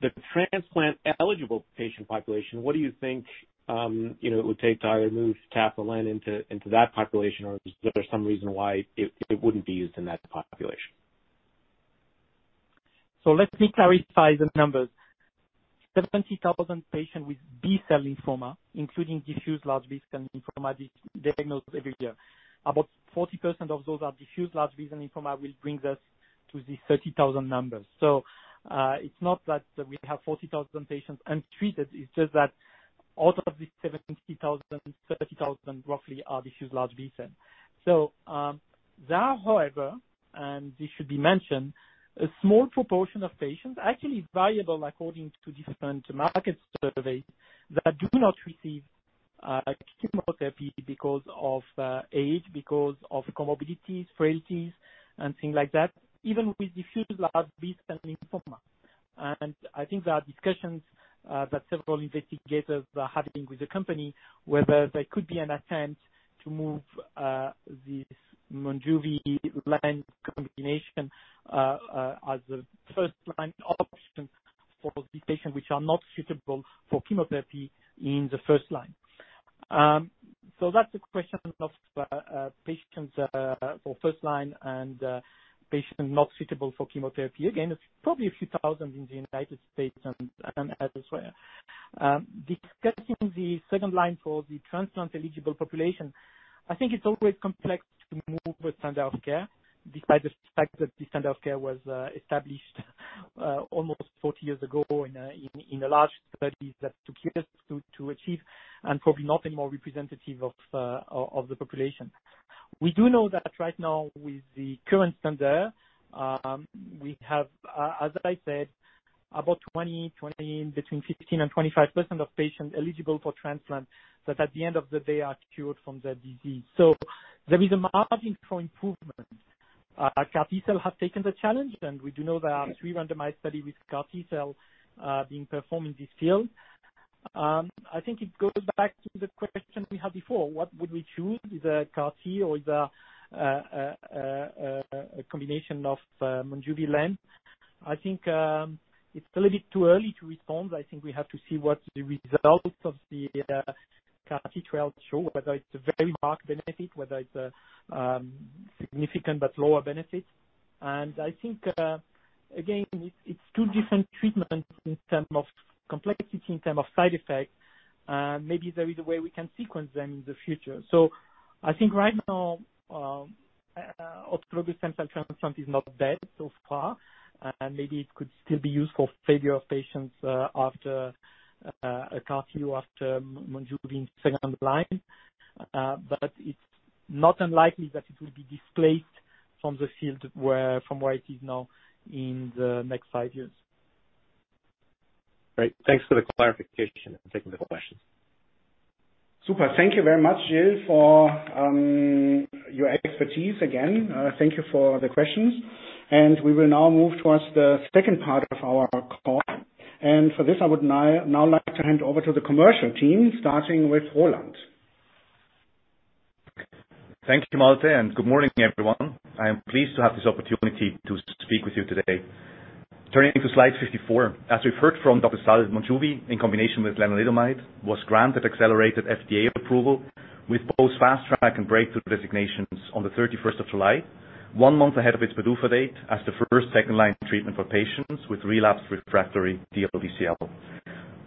the transplant-eligible patient population, what do you think it would take to either move tafasitamab into that population, or is there some reason why it wouldn't be used in that population? So let me clarify the numbers. 70,000 patients with B-cell lymphoma, including diffuse large B-cell lymphoma, diagnosed every year. About 40% of those are diffuse large B-cell lymphoma will bring us to the 30,000 numbers. So it's not that we have 40,000 patients untreated. It's just that out of the 70,000, 30,000 roughly are diffuse large B-cell. So there are, however, and this should be mentioned, a small proportion of patients, actually variable according to different market surveys, that do not receive chemotherapy because of age, because of comorbidities, frailties, and things like that, even with diffuse large B-cell lymphoma. And I think there are discussions that several investigators are having with the company whether there could be an attempt to move this Monjuvi-Len combination as a first line option for these patients which are not suitable for chemotherapy in the first line. That's a question of patients for first line and patients not suitable for chemotherapy. Again, it's probably a few thousand in the United States and elsewhere. Discussing the second line for the transplant-eligible population, I think it's always complex to move a standard of care despite the fact that the standard of care was established almost 40 years ago in a large study that took years to achieve and probably not anymore representative of the population. We do know that right now with the current standard, we have, as I said, about 20%, between 15% and 25% of patients eligible for transplant that at the end of the day are cured from their disease. There is a margin for improvement. CAR-T cell has taken the challenge, and we do know there are three randomized studies with CAR-T cell being performed in this field. I think it goes back to the question we had before. What would we choose? Is it CAR-T or is it a combination of Monjuvi-Len? I think it's a little bit too early to respond. I think we have to see what the results of the CAR-T trials show, whether it's a very marked benefit, whether it's a significant but lower benefit. And I think, again, it's two different treatments in terms of complexity, in terms of side effects. Maybe there is a way we can sequence them in the future. So I think right now, autologous stem cell transplant is not dead so far. Maybe it could still be used for failure of patients after a CAR-T or after Monjuvi in second line. But it's not unlikely that it will be displaced from the field from where it is now in the next five years. Great. Thanks for the clarification and taking the questions. Super. Thank you very much, Evel, for your expertise again. Thank you for the questions. And we will now move towards the second part of our call. And for this, I would now like to hand over to the commercial team, starting with Roland. Thank you, Malte, and good morning, everyone. I am pleased to have this opportunity to speak with you today. Turning to slide 54, as we've heard from Dr. Sal, Monjuvi in combination with lenalidomide was granted accelerated FDA approval with both fast track and breakthrough designations on the 31st of July, one month ahead of its PDUFA date as the first second line treatment for patients with relapsed refractory DLBCL.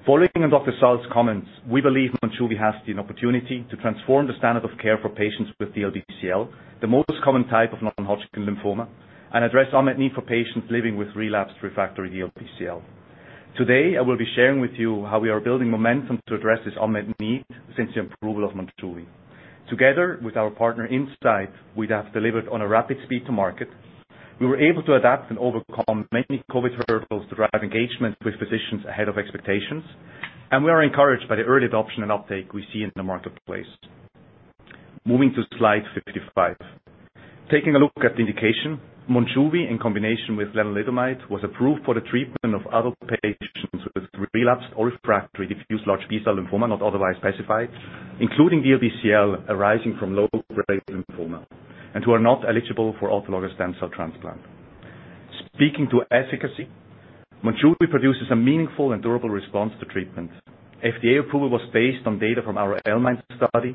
Following on Dr. Sal's comments, we believe Monjuvi has the opportunity to transform the standard of care for patients with DLBCL, the most common type of non-Hodgkin lymphoma, and address unmet need for patients living with relapsed refractory DLBCL. Today, I will be sharing with you how we are building momentum to address this unmet need since the approval of Monjuvi. Together with our partner Incyte, we have delivered on a rapid speed to market. We were able to adapt and overcome many COVID hurdles to drive engagement with physicians ahead of expectations, and we are encouraged by the early adoption and uptake we see in the marketplace. Moving to slide 55. Taking a look at the indication, Monjuvi in combination with lenalidomide was approved for the treatment of adult patients with relapsed or refractory diffuse large B-cell lymphoma not otherwise specified, including DLBCL arising from low-grade lymphoma, and who are not eligible for autologous stem cell transplant. Speaking to efficacy, Monjuvi produces a meaningful and durable response to treatment. FDA approval was based on data from our L-MIND study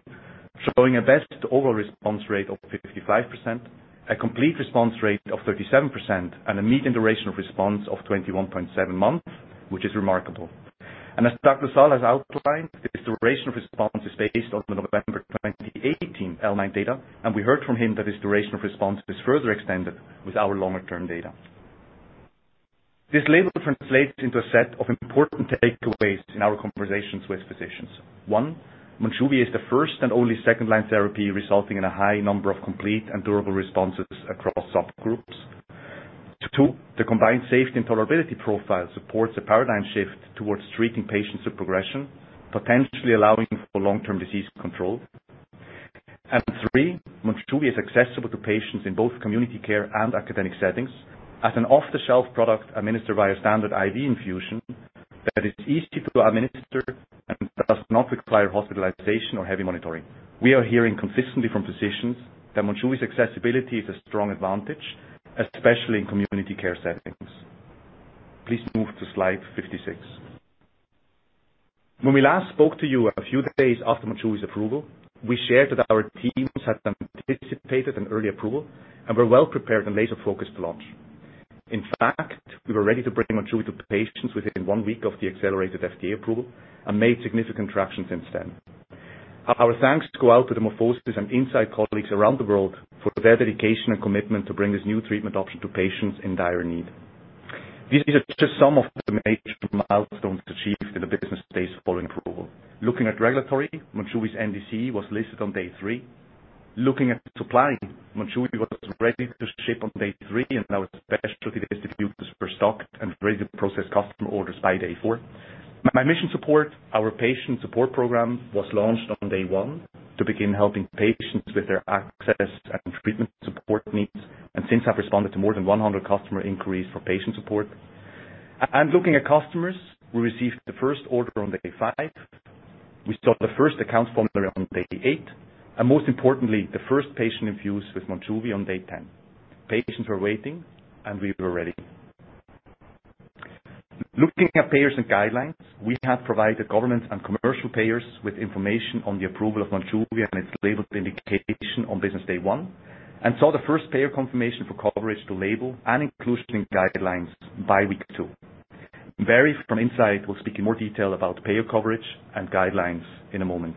showing a best overall response rate of 55%, a complete response rate of 37%, and a median duration of response of 21.7 months, which is remarkable, and as Dr. Sal has outlined. This duration of response is based on the November 2018 L-MIND data, and we heard from him that this duration of response is further extended with our longer-term data. This label translates into a set of important takeaways in our conversations with physicians. One, Monjuvi is the first and only second line therapy resulting in a high number of complete and durable responses across subgroups. Two, the combined safety and tolerability profile supports a paradigm shift towards treating patients with progression, potentially allowing for long-term disease control. And three, Monjuvi is accessible to patients in both community care and academic settings as an off-the-shelf product administered via standard IV infusion that is easy to administer and does not require hospitalization or heavy monitoring. We are hearing consistently from physicians that Monjuvi's accessibility is a strong advantage, especially in community care settings. Please move to slide 56. When we last spoke to you a few days after Monjuvi's approval, we shared that our teams had anticipated an early approval and were well prepared and laser-focused to launch. In fact, we were ready to bring Monjuvi to patients within one week of the accelerated FDA approval and made significant traction since then. Our thanks go out to the MorphoSys and Incyte colleagues around the world for their dedication and commitment to bring this new treatment option to patients in dire need. These are just some of the major milestones achieved in the business days following approval. Looking at regulatory, Monjuvi's NDC was listed on day three. Looking at supply, Monjuvi was ready to ship on day three and now has specialty distributors for stock and ready to process customer orders by day four. My MISSION Support, our patient support program, was launched on day one to begin helping patients with their access and treatment support needs, and since have responded to more than 100 customer inquiries for patient support. Looking at customers, we received the first order on day five. We saw the first account formulary on day eight, and most importantly, the first patient infused with Monjuvi on day ten. Patients were waiting, and we were ready. Looking at payers and guidelines, we have provided government and commercial payers with information on the approval of Monjuvi and its labeled indication on business day one and saw the first payer confirmation for coverage to label and inclusion in guidelines by week two. Barry from Incyte will speak in more detail about payer coverage and guidelines in a moment.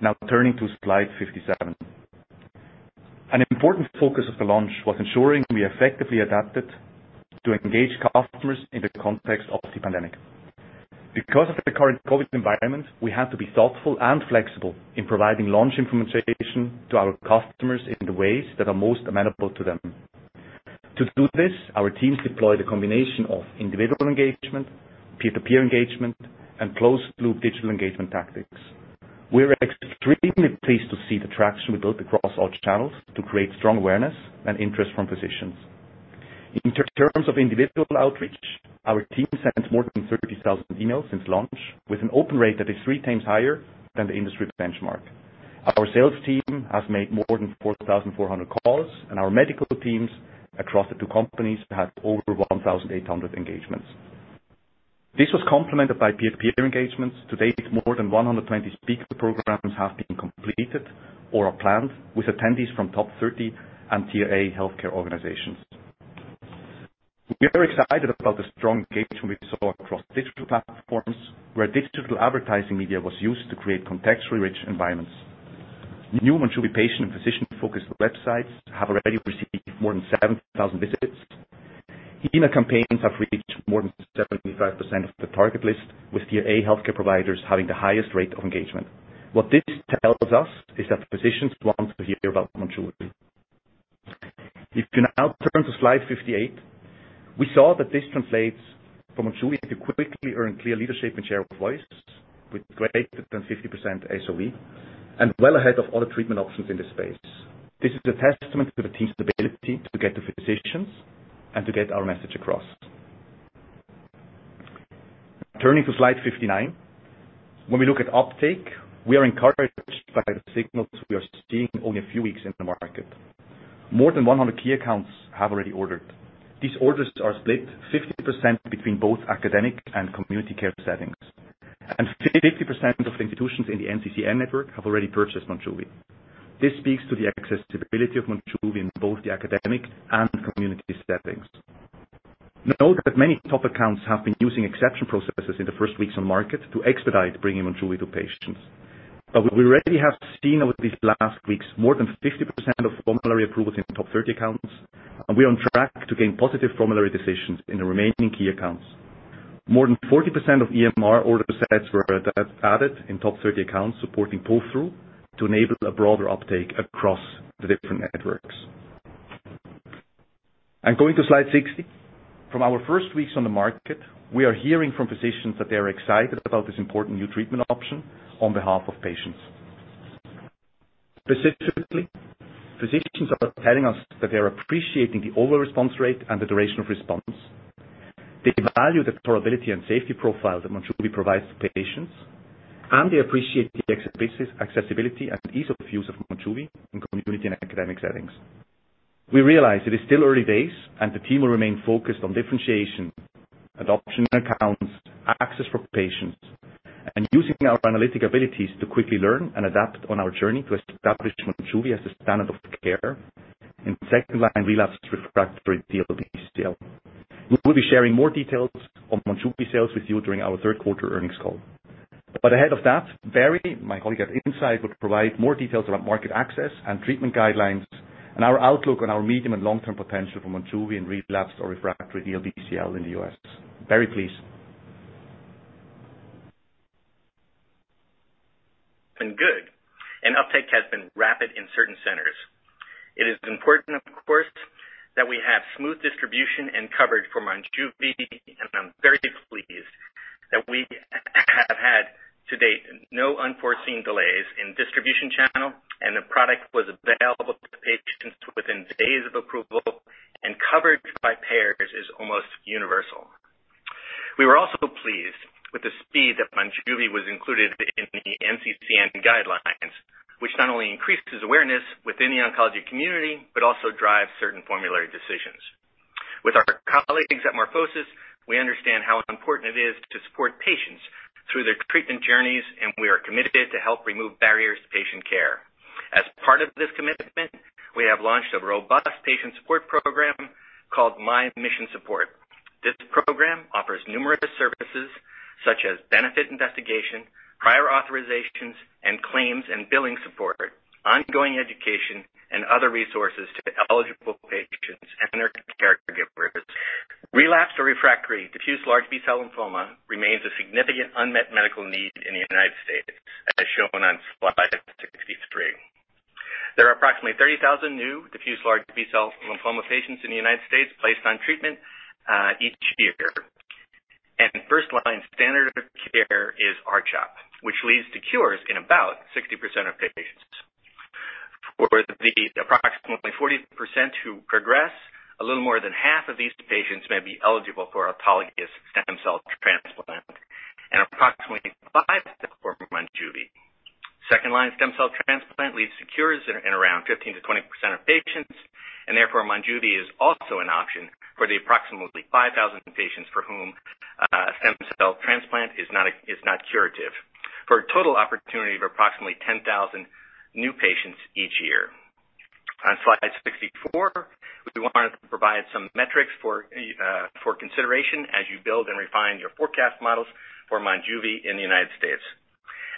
Now turning to slide 57. An important focus of the launch was ensuring we effectively adapted to engage customers in the context of the pandemic. Because of the current COVID environment, we had to be thoughtful and flexible in providing launch implementation to our customers in the ways that are most amenable to them. To do this, our teams deployed a combination of individual engagement, peer-to-peer engagement, and closed-loop digital engagement tactics. We're extremely pleased to see the traction we built across our channels to create strong awareness and interest from physicians. In terms of individual outreach, our team sent more than 30,000 emails since launch with an open rate that is three times higher than the industry benchmark. Our sales team has made more than 4,400 calls, and our medical teams across the two companies had over 1,800 engagements. This was complemented by peer-to-peer engagements. To date, more than 120 speaker programs have been completed or are planned with attendees from top 30 and tier A healthcare organizations. We are excited about the strong engagement we saw across digital platforms where digital advertising media was used to create contextually rich environments. New Monjuvi patient and physician-focused websites have already received more than 70,000 visits. Email campaigns have reached more than 75% of the target list, with tier A healthcare providers having the highest rate of engagement. What this tells us is that physicians want to hear about Monjuvi. If you now turn to slide 58, we saw that this translates for Monjuvi to quickly earn clear leadership and share of voice with greater than 50% SOV and well ahead of other treatment options in this space. This is a testament to the team's ability to get to physicians and to get our message across. Turning to slide 59, when we look at uptake, we are encouraged by the signals we are seeing only a few weeks in the market. More than 100 key accounts have already ordered. These orders are split 50% between both academic and community care settings, and 50% of institutions in the NCCN network have already purchased Monjuvi. This speaks to the accessibility of Monjuvi in both the academic and community settings. Note that many top accounts have been using exception processes in the first weeks on market to expedite bringing Monjuvi to patients. But we already have seen over these last weeks more than 50% of formulary approvals in top 30 accounts, and we are on track to gain positive formulary decisions in the remaining key accounts. More than 40% of EMR order sets were added in top 30 accounts supporting pull-through to enable a broader uptake across the different networks, and going to Slide 60, from our first weeks on the market, we are hearing from physicians that they are excited about this important new treatment option on behalf of patients. Specifically, physicians are telling us that they are appreciating the overall response rate and the duration of response. They value the tolerability and safety profile that Monjuvi provides to patients, and they appreciate the accessibility and ease of use of Monjuvi in community and academic settings. We realize it is still early days, and the team will remain focused on differentiation, adoption in accounts, access for patients, and using our analytic abilities to quickly learn and adapt on our journey to establish Monjuvi as the standard of care in second-line relapsed refractory DLBCL. We will be sharing more details on Monjuvi sales with you during our third quarter earnings call, but ahead of that, Barry, my colleague at Incyte, would provide more details about market access and treatment guidelines and our outlook on our medium and long-term potential for Monjuvi in relapsed or refractory DLBCL in the US. Barry, please. Been good. And uptake has been rapid in certain centers. It is important, of course, that we have smooth distribution and coverage for Monjuvi, and I'm very pleased that we have had to date no unforeseen delays in distribution channel, and the product was available to patients within days of approval, and coverage by payers is almost universal. We were also pleased with the speed that Monjuvi was included in the NCCN guidelines, which not only increases awareness within the oncology community but also drives certain formulary decisions. With our colleagues at MorphoSys, we understand how important it is to support patients through their treatment journeys, and we are committed to help remove barriers to patient care. As part of this commitment, we have launched a robust patient support program called My MISSION Support. This program offers numerous services such as benefit investigation, prior authorizations, and claims and billing support, ongoing education, and other resources to eligible patients and their caregivers. Relapsed or refractory diffuse large B-cell lymphoma remains a significant unmet medical need in the United States, as shown on slide 63. There are approximately 30,000 new diffuse large B-cell lymphoma patients in the United States placed on treatment each year. First line standard of care is R-CHOP, which leads to cures in about 60% of patients. For the approximately 40% who progress, a little more than half of these patients may be eligible for autologous stem cell transplant and approximately 5% for Monjuvi. Second line stem cell transplant leads to cures in around 15%-20% of patients, and therefore Monjuvi is also an option for the approximately 5,000 patients for whom stem cell transplant is not curative, for a total opportunity of approximately 10,000 new patients each year. On slide 64, we wanted to provide some metrics for consideration as you build and refine your forecast models for Monjuvi in the United States.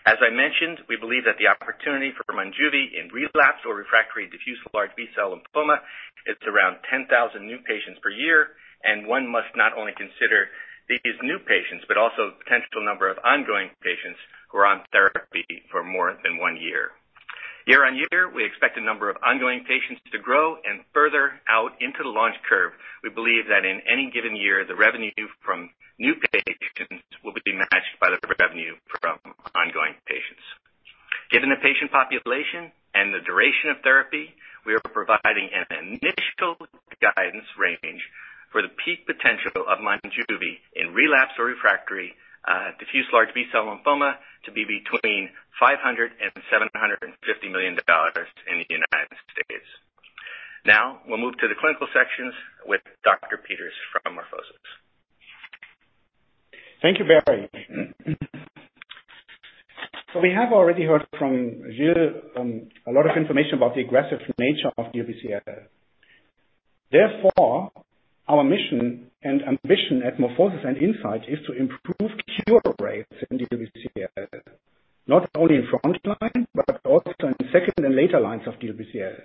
As I mentioned, we believe that the opportunity for Monjuvi in relapsed or refractory diffuse large B-cell lymphoma is around 10,000 new patients per year, and one must not only consider these new patients but also the potential number of ongoing patients who are on therapy for more than one year. Year on year, we expect the number of ongoing patients to grow and further out into the launch curve. We believe that in any given year, the revenue from new patients will be matched by the revenue from ongoing patients. Given the patient population and the duration of therapy, we are providing an initial guidance range for the peak potential of Monjuvi in relapsed or refractory diffuse large B-cell lymphoma to be between $500-$750 million in the United States. Now we'll move to the clinical sections with Dr. Peters from MorphoSys. Thank you, Barry. So we have already heard from you a lot of information about the aggressive nature of DLBCL. Therefore, our mission and ambition at MorphoSys and Incyte is to improve cure rates in DLBCL, not only in front line but also in second and later lines of DLBCL,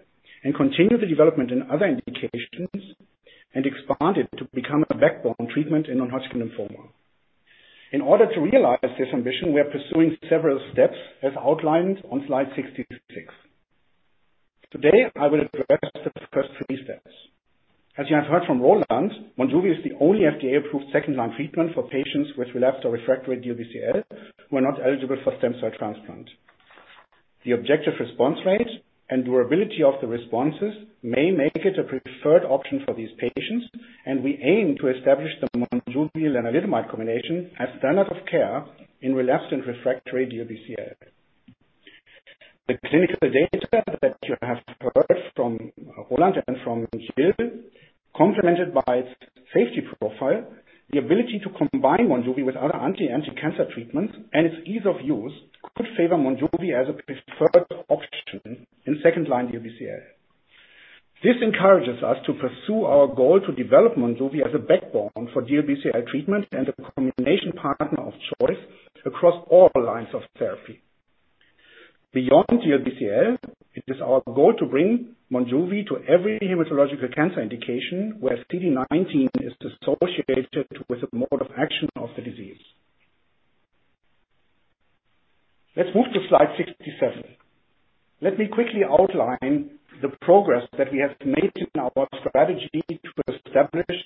and continue the development in other indications and expand it to become a backbone treatment in non-Hodgkin lymphoma. In order to realize this ambition, we are pursuing several steps as outlined on slide 66. Today, I will address the first three steps. As you have heard from Roland, Monjuvi is the only FDA-approved second line treatment for patients with relapsed or refractory DLBCL who are not eligible for stem cell transplant. The objective response rate and durability of the responses may make it a preferred option for these patients, and we aim to establish the Monjuvi and Revlimid combination as standard of care in relapsed and refractory DLBCL. The clinical data that you have heard from Roland and from you, complemented by its safety profile, the ability to combine Monjuvi with other anti-cancer treatments, and its ease of use could favor Monjuvi as a preferred option in second-line DLBCL. This encourages us to pursue our goal to develop Monjuvi as a backbone for DLBCL treatment and a combination partner of choice across all lines of therapy. Beyond DLBCL, it is our goal to bring Monjuvi to every hematological cancer indication where CD19 is associated with a mode of action of the disease. Let's move to slide 67. Let me quickly outline the progress that we have made in our strategy to establish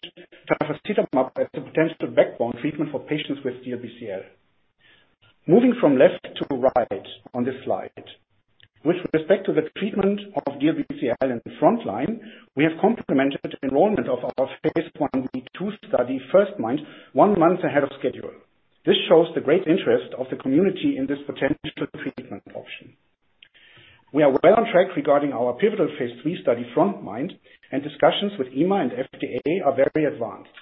tafasitamab as a potential backbone treatment for patients with DLBCL. Moving from left to right on this slide, with respect to the treatment of DLBCL in front line, we have completed enrollment of our phase 1b study First-MIND one month ahead of schedule. This shows the great interest of the community in this potential treatment option. We are well on track regarding our pivotal phase 3 study Front-MIND, and discussions with EMA and FDA are very advanced.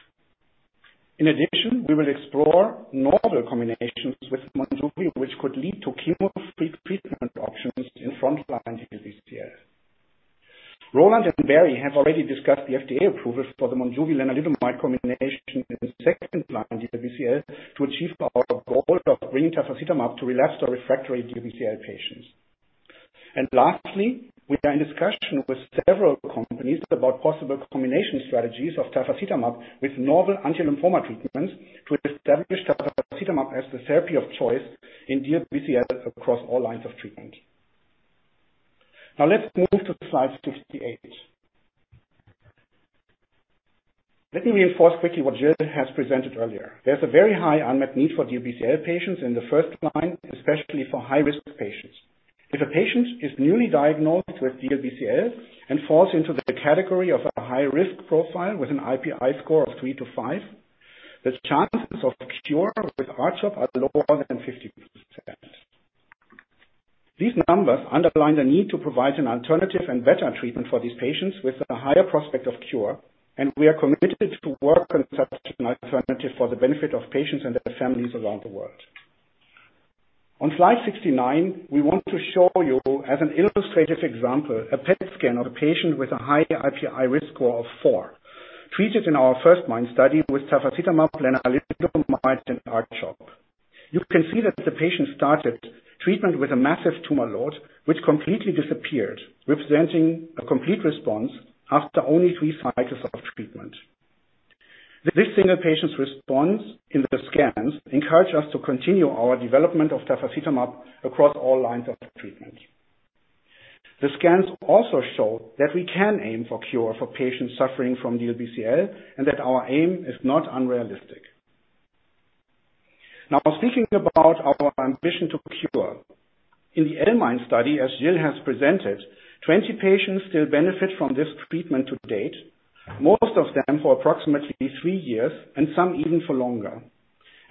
In addition, we will explore novel combinations with Monjuvi, which could lead to chemo-free treatment options in front line DLBCL. Roland and Barry have already discussed the FDA approval for the Monjuvi and Revlimid combination in second line DLBCL to achieve our goal of bringing tafasitamab to relapsed or refractory DLBCL patients. And lastly, we are in discussion with several companies about possible combination strategies of tafasitamab with novel anti-lymphoma treatments to establish tafasitamab as the therapy of choice in DLBCL across all lines of treatment. Now let's move to slide 68. Let me reinforce quickly what Gilles has presented earlier. There's a very high unmet need for DLBCL patients in the first line, especially for high-risk patients. If a patient is newly diagnosed with DLBCL and falls into the category of a high-risk profile with an IPI score of three to five, the chances of cure with R-CHOP are lower than 50%. These numbers underline the need to provide an alternative and better treatment for these patients with a higher prospect of cure, and we are committed to work on such an alternative for the benefit of patients and their families around the world. On slide 69, we want to show you as an illustrative example a PET scan of a patient with a high IPI risk score of four treated in our first-line study with tafasitamab, lenalidomide, and R-CHOP. You can see that the patient started treatment with a massive tumor load, which completely disappeared, representing a complete response after only three cycles of treatment. This single patient's response in the scans encouraged us to continue our development of tafasitamab across all lines of treatment. The scans also show that we can aim for cure for patients suffering from DLBCL and that our aim is not unrealistic. Now, speaking about our ambition to cure, in the L-MIND study, as Gilles has presented, 20 patients still benefit from this treatment to date, most of them for approximately three years and some even for longer.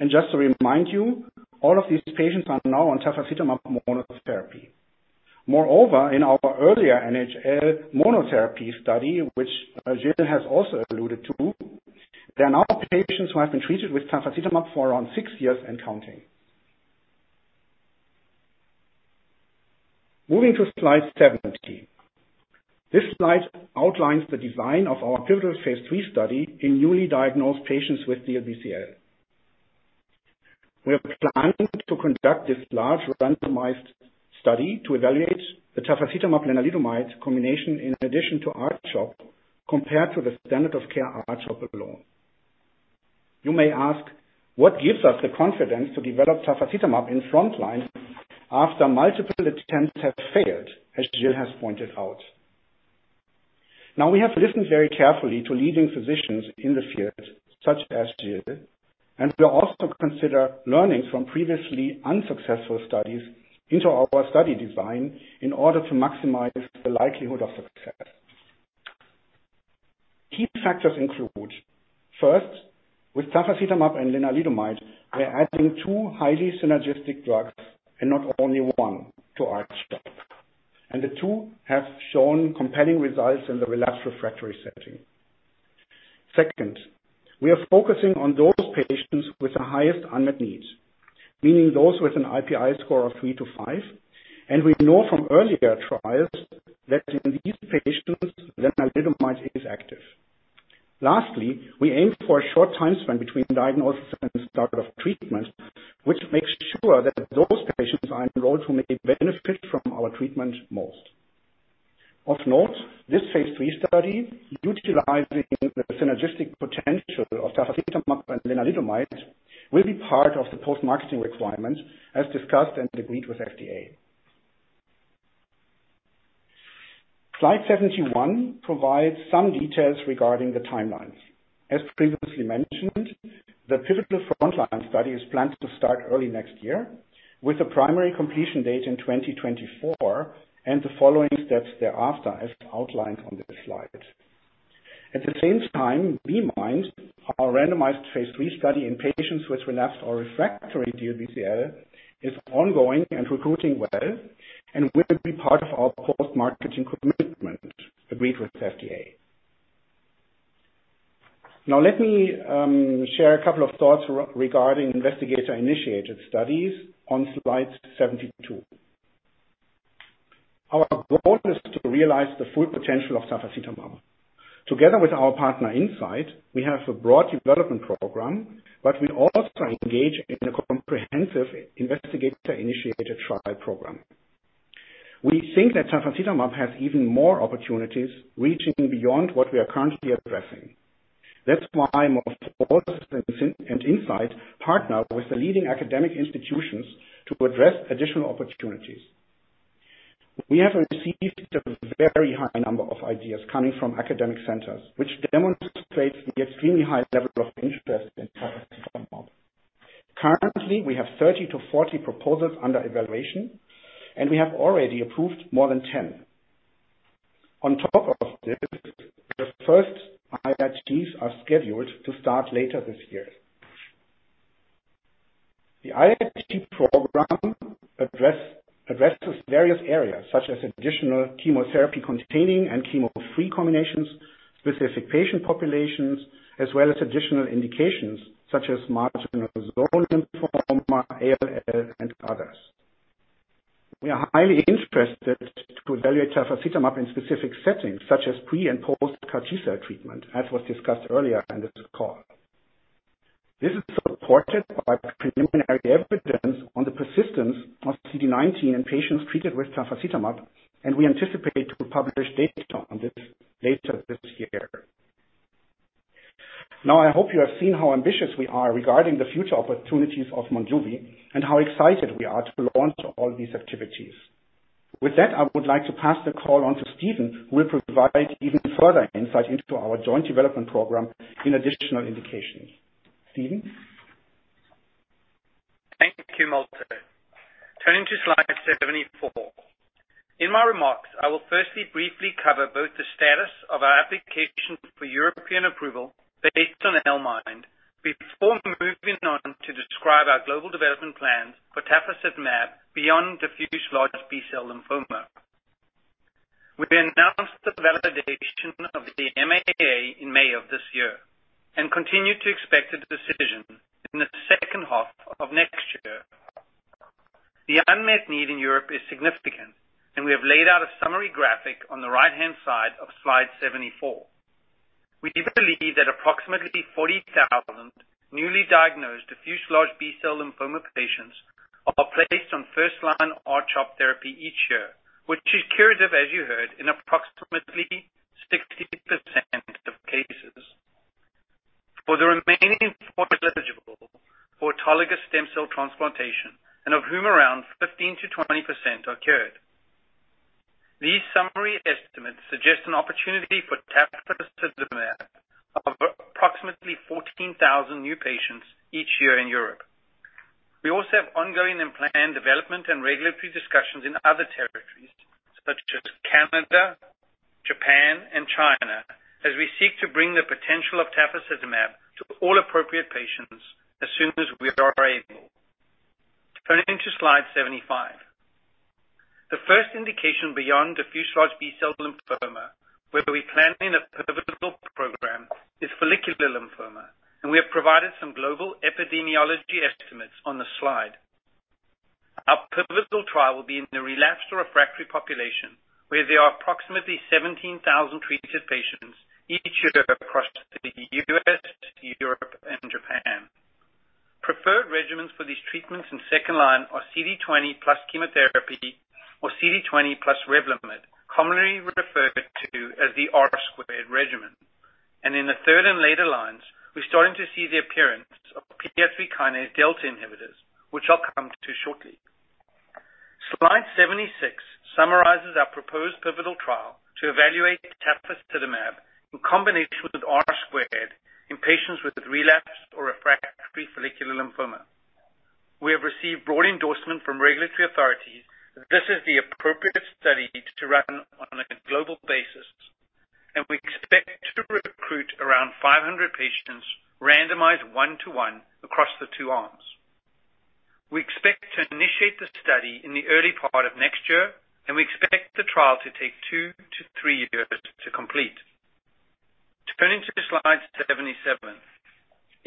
Just to remind you, all of these patients are now on tafasitamab monotherapy. Moreover, in our earlier NHL monotherapy study, which Gilles has also alluded to, there are now patients who have been treated with tafasitamab for around six years and counting. Moving to slide 70, this slide outlines the design of our pivotal phase three study in newly diagnosed patients with DLBCL. We are planning to conduct this large randomized study to evaluate the tafasitamab, lenalidomide combination in addition to R-CHOP compared to the standard of care R-CHOP alone. You may ask, what gives us the confidence to develop tafasitamab in front line after multiple attempts have failed, as Gilles has pointed out? Now, we have listened very carefully to leading physicians in the field, such as Gilles, and we also consider learnings from previously unsuccessful studies into our study design in order to maximize the likelihood of success. Key factors include: first, with tafasitamab and lenalidomide, we're adding two highly synergistic drugs and not only one to R-CHOP, and the two have shown compelling results in the relapsed refractory setting. Second, we are focusing on those patients with the highest unmet needs, meaning those with an IPI score of three to five, and we know from earlier trials that in these patients, lenalidomide is active. Lastly, we aim for a short time span between diagnosis and start of treatment, which makes sure that those patients are enrolled who may benefit from our treatment most. Of note, this phase 3 study, utilizing the synergistic potential of tafasitamab and lenalidomide, will be part of the post-marketing requirement, as discussed and agreed with FDA. Slide 71 provides some details regarding the timelines. As previously mentioned, the pivotal front line study is planned to start early next year with a primary completion date in 2024 and the following steps thereafter, as outlined on this slide. At the same time, B-MIND, our randomized phase 3 study in patients with relapsed or refractory DLBCL, is ongoing and recruiting well and will be part of our post-marketing commitment, agreed with FDA. Now, let me share a couple of thoughts regarding investigator-initiated studies on slide 72. Our goal is to realize the full potential of tafasitamab. Together with our partner, Incyte, we have a broad development program, but we also engage in a comprehensive investigator-initiated trial program. We think that tafasitamab has even more opportunities reaching beyond what we are currently addressing. That's why MorphoSys and Incyte partner with the leading academic institutions to address additional opportunities. We have received a very high number of ideas coming from academic centers, which demonstrates the extremely high level of interest in tafasitamab. Currently, we have 30 to 40 proposals under evaluation, and we have already approved more than 10. On top of this, the first IITs are scheduled to start later this year. The IIT program addresses various areas such as additional chemotherapy-containing and chemo-free combinations, specific patient populations, as well as additional indications such as marginal zone lymphoma, ALL, and others. We are highly interested to evaluate tafasitamab in specific settings such as pre and post CAR T-cell treatment, as was discussed earlier in this call. This is supported by preliminary evidence on the persistence of CD19 in patients treated with tafasitamab, and we anticipate to publish data on this later this year. Now, I hope you have seen how ambitious we are regarding the future opportunities of Monjuvi and how excited we are to launch all these activities. With that, I would like to pass the call on to Steven, who will provide even further insight into our joint development program in additional indications. Steven? Thank you, Malte. Turning to slide 74. In my remarks, I will firstly briefly cover both the status of our application for European approval based on L-MIND before moving on to describe our global development plans for tafasitamab beyond diffuse large B-cell lymphoma. We announced the validation of the MAA in May of this year and continue to expect a decision in the second half of next year. The unmet need in Europe is significant, and we have laid out a summary graphic on the right-hand side of slide 74. We believe that approximately 40,000 newly diagnosed diffuse large B-cell lymphoma patients are placed on first-line R-CHOP therapy each year, which is curative, as you heard, in approximately 60% of cases. For the remaining four eligible for autologous stem cell transplantation, and of whom around 15%-20% occurred, these summary estimates suggest an opportunity for tafasitamab of approximately 14,000 new patients each year in Europe. We also have ongoing and planned development and regulatory discussions in other territories such as Canada, Japan, and China as we seek to bring the potential of tafasitamab to all appropriate patients as soon as we are able. Turning to slide 75. The first indication beyond diffuse large B-cell lymphoma where we plan in a pivotal program is follicular lymphoma, and we have provided some global epidemiology estimates on the slide. Our pivotal trial will be in the relapsed or refractory population where there are approximately 17,000 treated patients each year across the U.S., Europe, and Japan. Preferred regimens for these treatments in second line are CD20 plus chemotherapy or CD20 plus Revlimid, commonly referred to as the R-squared regimen. In the third and later lines, we're starting to see the appearance of PI3K delta inhibitors, which I'll come to shortly. Slide 76 summarizes our proposed pivotal trial to evaluate tafasitamab in combination with R-squared in patients with relapsed or refractory follicular lymphoma. We have received broad endorsement from regulatory authorities that this is the appropriate study to run on a global basis, and we expect to recruit around 500 patients randomized one-to-one across the two arms. We expect to initiate the study in the early part of next year, and we expect the trial to take two to three years to complete. Turning to slide 77.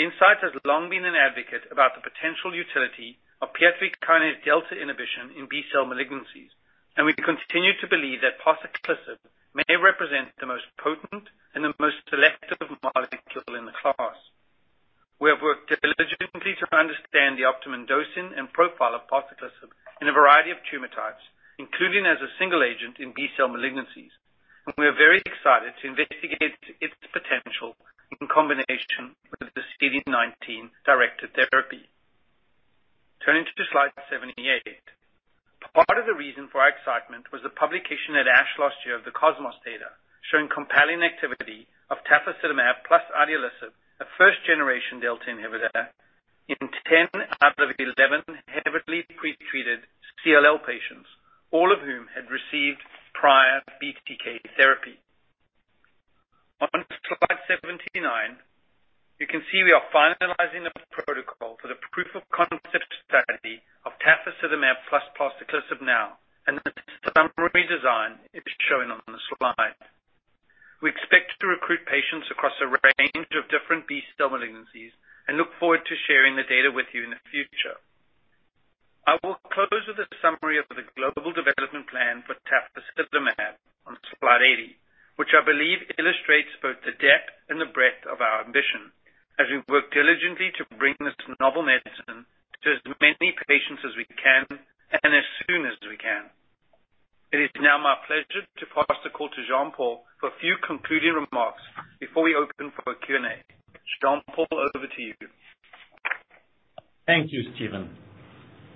Incyte has long been an advocate about the potential utility of PI3K delta inhibition in B-cell malignancies, and we continue to believe that parsaclisib may represent the most potent and the most selective molecule in the class. We have worked diligently to understand the optimum dosing and profile of parsaclisib in a variety of tumor types, including as a single agent in B-cell malignancies, and we are very excited to investigate its potential in combination with the CD19-directed therapy. Turning to slide 78. Part of the reason for our excitement was the publication at ASH last year of the COSMOS data showing compelling activity of tafasitamab plus idelalisib, a first-generation delta inhibitor, in 10 out of 11 heavily pretreated CLL patients, all of whom had received prior BTK therapy. On slide 79, you can see we are finalizing the protocol for the proof-of-concept study of tafasitamab plus parsaclisib now, and the summary design is shown on the slide. We expect to recruit patients across a range of different B-cell malignancies and look forward to sharing the data with you in the future. I will close with a summary of the global development plan for tafasitamab on slide 80, which I believe illustrates both the depth and the breadth of our ambition as we work diligently to bring this novel medicine to as many patients as we can and as soon as we can. It is now my pleasure to pass the call to Jean-Paul for a few concluding remarks before we open for a Q&A. Jean-Paul, over to you. Thank you, Steven.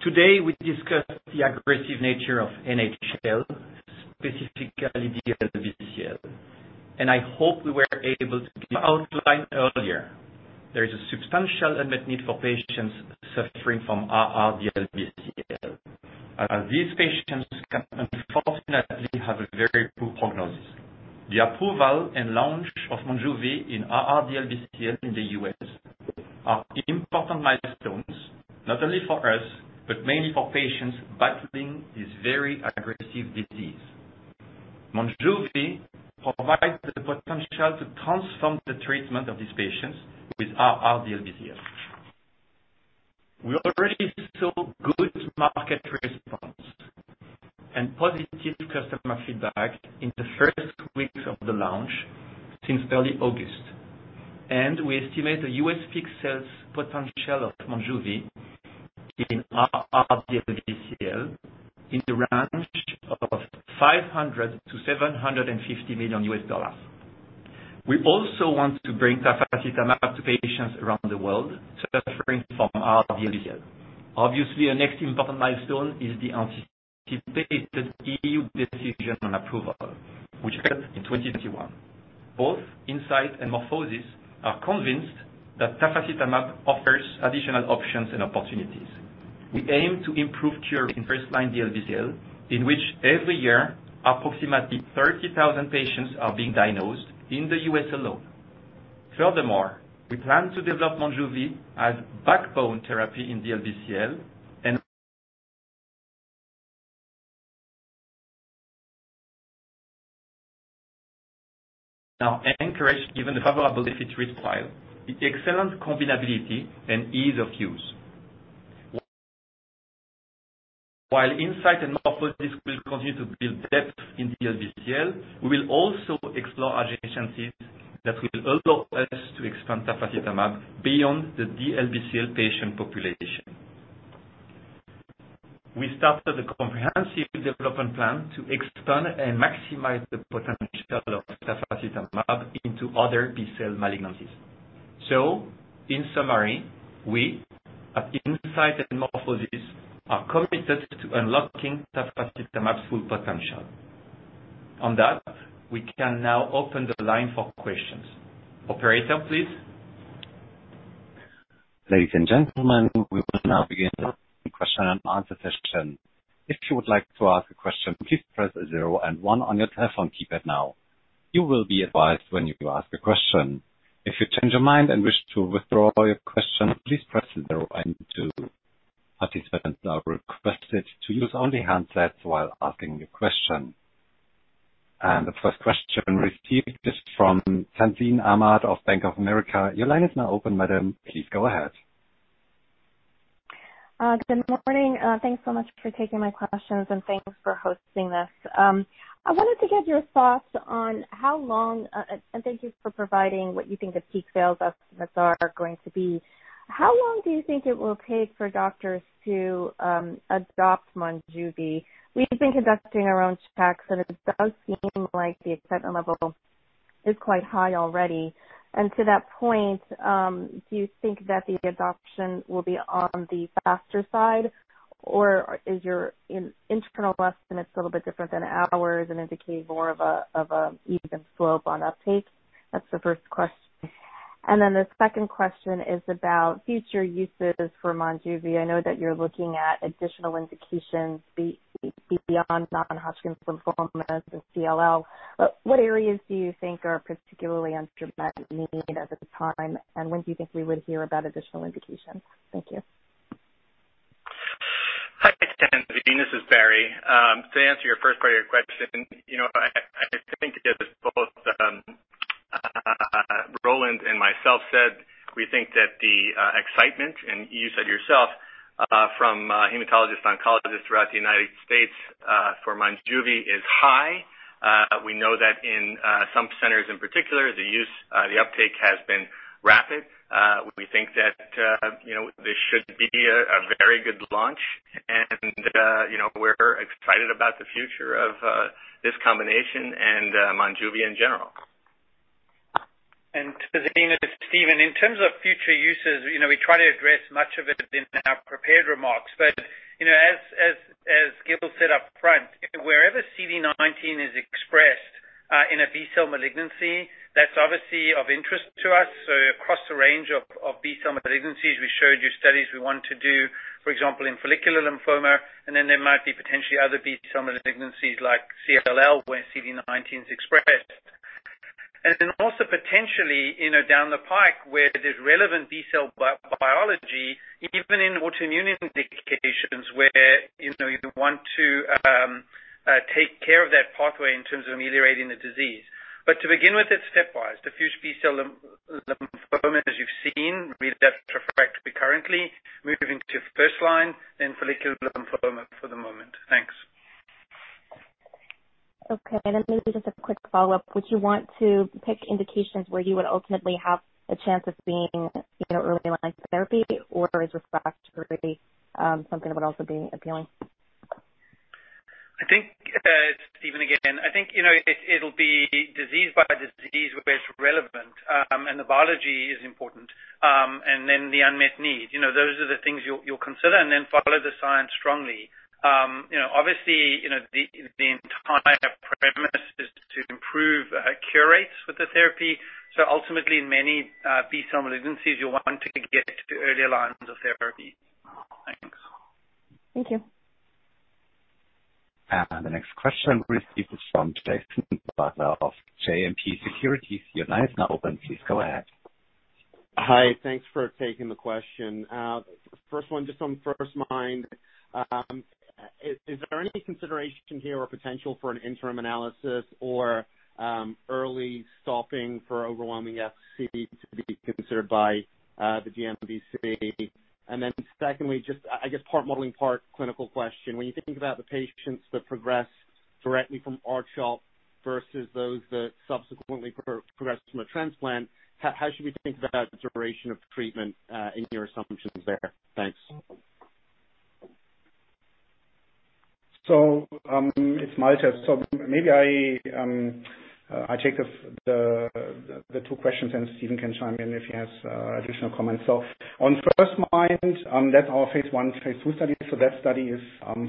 Today, we discussed the aggressive nature of NHL, specifically DLBCL, and I hope we were able to outline earlier there is a substantial unmet need for patients suffering from R/R DLBCL. These patients can unfortunately have a very poor prognosis. The approval and launch of Monjuvi in R/R DLBCL in the US are important milestones not only for us but mainly for patients battling this very aggressive disease. Monjuvi provides the potential to transform the treatment of these patients with R/R DLBCL. We already saw good market response and positive customer feedback in the first weeks of the launch since early August, and we estimate the US peak sales potential of Monjuvi in R/R DLBCL in the range of $500 million-$750 million. We also want to bring tafasitamab to patients around the world suffering from R/R DLBCL. Obviously, our next important milestone is the anticipated EU decision on approval, which occurs in 2021. Both Incyte and MorphoSys are convinced that tafasitamab offers additional options and opportunities. We aim to improve cure in first-line DLBCL, in which every year, approximately 30,000 patients are being diagnosed in the U.S. alone. Furthermore, we plan to develop Monjuvi as backbone therapy in DLBCL and encourage, given the favorable efficacy profile, the excellent combinability and ease of use. While Incyte and MorphoSys will continue to build depth in DLBCL, we will also explore other initiatives that will allow us to expand tafasitamab beyond the DLBCL patient population. We started a comprehensive development plan to expand and maximize the potential of tafasitamab into other B-cell malignancies. So, in summary, we, at Incyte and MorphoSys, are committed to unlocking tafasitamab's full potential. On that, we can now open the line for questions. Operator, please. Ladies and gentlemen, we will now begin the question and answer session. If you would like to ask a question, please press zero and one on your telephone keypad now. You will be advised when you ask a question. If you change your mind and wish to withdraw your question, please press zero and two. Participants are requested to use only handsets while asking your question. And the first question received is from Tazeen Ahmad of Bank of America. Your line is now open, madam. Please go ahead. Good morning. Thanks so much for taking my questions and thanks for hosting this. I wanted to get your thoughts on how long, and thank you for providing what you think the peak sales estimates are going to be. How long do you think it will take for doctors to adopt Monjuvi? We've been conducting our own checks, and it does seem like the excitement level is quite high already. And to that point, do you think that the adoption will be on the faster side, or is your internal estimate a little bit different than ours and indicate more of an even slope on uptake? That's the first question. And then the second question is about future uses for Monjuvi. I know that you're looking at additional indications beyond non-Hodgkin lymphomas and CLL, but what areas do you think are particularly under direct need at the time, and when do you think we would hear about additional indications? Thank you. Hi, Tazeen. This is Barry. To answer your first part of your question, I think as both Roland and myself said, we think that the excitement, and you said yourself, from hematologists, oncologists throughout the United States for Monjuvi is high. We know that in some centers in particular, the uptake has been rapid. We think that this should be a very good launch, and we're excited about the future of this combination and Monjuvi in general, and Tazeen and Steven, in terms of future uses, we try to address much of it in our prepared remarks, but as Gil said upfront, wherever CD19 is expressed in a B-cell malignancy, that's obviously of interest to us. So across the range of B-cell malignancies, we showed you studies we want to do, for example, in follicular lymphoma, and then there might be potentially other B-cell malignancies like CLL where CD19 is expressed. And then also potentially down the pike where there's relevant B-cell biology, even in autoimmune indications where you want to take care of that pathway in terms of ameliorating the disease. But to begin with, it's stepwise. Diffuse large B-cell lymphoma, as you've seen, relapsed or refractory currently, moving to first line, then follicular lymphoma for the moment. Thanks. Okay, and then maybe just a quick follow-up. Would you want to pick indications where you would ultimately have a chance of seeing early line therapy, or is refractory something that would also be appealing? I think, Steven, again, I think it'll be disease by disease where it's relevant, and the biology is important, and then the unmet need. Those are the things you'll consider, and then follow the science strongly. Obviously, the entire premise is to improve cure rates with the therapy. So ultimately, in many B-cell malignancies, you'll want to get to early lines of therapy. Thanks. Thank you. The next question received is from Jason Butler of JMP Securities. Your line is now open. Please go ahead. Hi. Thanks for taking the question. First one, just on first-line, is there any consideration here or potential for an interim analysis or early stopping for overwhelming efficacy to be considered by the DMC? And then secondly, just I guess part modeling, part clinical question. When you think about the patients that progress directly from R-CHOP versus those that subsequently progress from a transplant, how should we think about the duration of treatment in your assumptions there? Thanks. It's Malte. Maybe I take the two questions, and Steven can chime in if he has additional comments. On frontline, that's our phase one, phase two study. That study is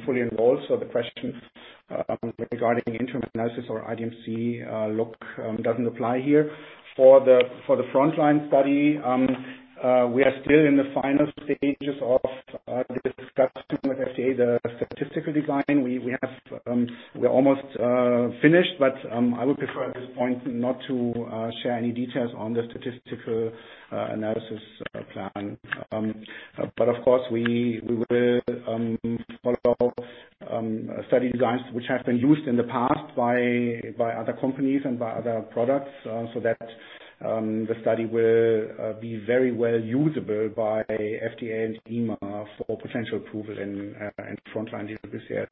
fully enrolled. The question regarding interim analysis or IDMC look doesn't apply here. For the frontline study, we are still in the final stages of discussing with FDA the statistical design. We're almost finished, but I would prefer at this point not to share any details on the statistical analysis plan. But of course, we will follow study designs which have been used in the past by other companies and by other products so that the study will be very well usable by FDA and EMA for potential approval in frontline DLBCL.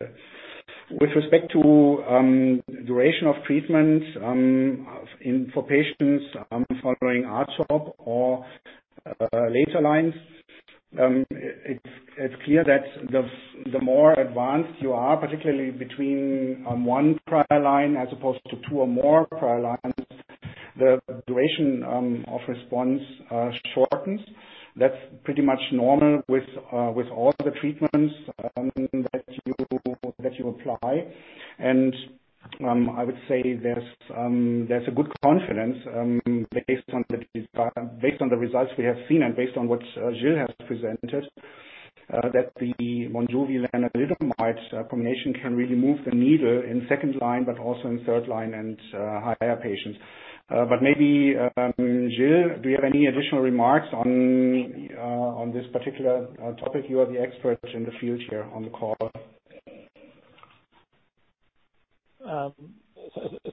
With respect to duration of treatment for patients following R-CHOP or later lines, it's clear that the more advanced you are, particularly between one prior line as opposed to two or more prior lines, the duration of response shortens. That's pretty much normal with all the treatments that you apply. And I would say there's a good confidence based on the results we have seen and based on what Gil has presented, that the Monjuvi lenalidomide combination can really move the needle in second line, but also in third line and higher patients. But maybe, Gil, do you have any additional remarks on this particular topic? You are the expert in the field here on the call.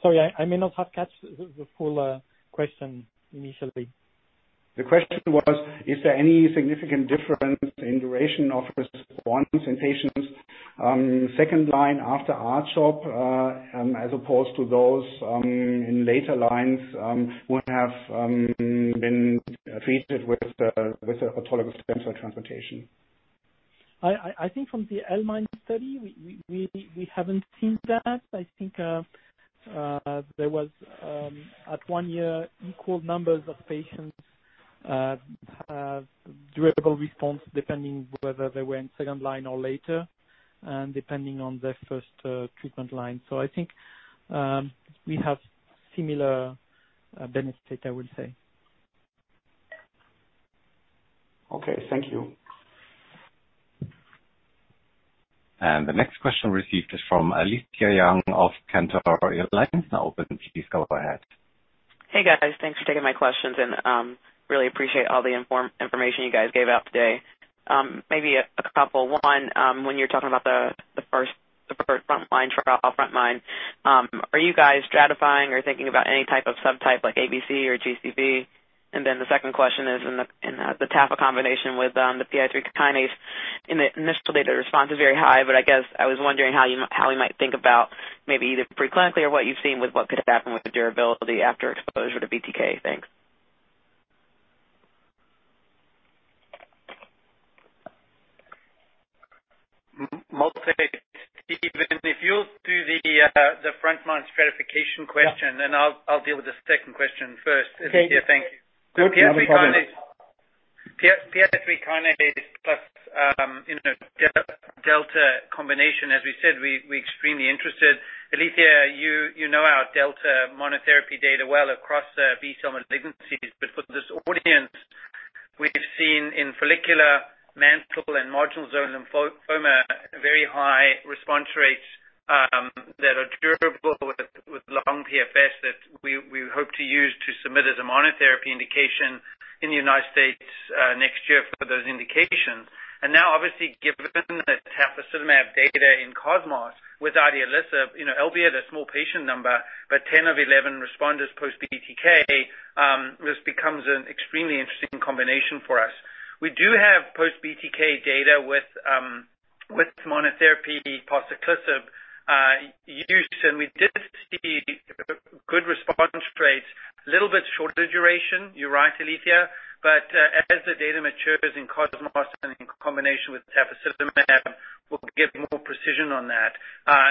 Sorry, I may not have caught the full question initially. The question was, is there any significant difference in duration of response in patients second line after R-CHOP as opposed to those in later lines who have been treated with autologous stem cell transplantation? I think from the L-MIND study, we haven't seen that. I think there was, at one year, equal numbers of patients have durable response depending whether they were in second line or later and depending on their first treatment line. So I think we have similar benefit, I would say. Okay. Thank you. The next question received is from Alethia Young of Cantor Fitzgerald. Alethia, please go ahead. Hey, guys. Thanks for taking my questions, and really appreciate all the information you guys gave out today. Maybe a couple. One, when you're talking about the first front line trial, front line, are you guys stratifying or thinking about any type of subtype like ABC or GCB? And then the second question is, in the Tafa combination with the PI3 kinase, in the initial data, the response is very high, but I guess I was wondering how we might think about maybe either preclinically or what you've seen with what could happen with durability after exposure to BTK. Thanks. Malte, Steven, if you'll do the front line stratification question, then I'll deal with the second question first. Okay. Alethia, thank you. PI3K, PI3K-delta combination, as we said, we're extremely interested. Alethia, you know our delta monotherapy data well across B-cell malignancies, but for this audience, we've seen in follicular, mantle, and marginal zone lymphoma very high response rates that are durable with long PFS that we hope to use to submit as a monotherapy indication in the United States next year for those indications. And now, obviously, given the tafasitamab data in COSMOS with idelalisib, albeit a small patient number, but 10 of 11 responders post-BTK, this becomes an extremely interesting combination for us. We do have post-BTK data with monotherapy povorcitinib use and we did see good response rates, a little bit shorter duration. You're right, Alethia, but as the data matures in COSMOS and in combination with tafasitamab, we'll get more precision on that.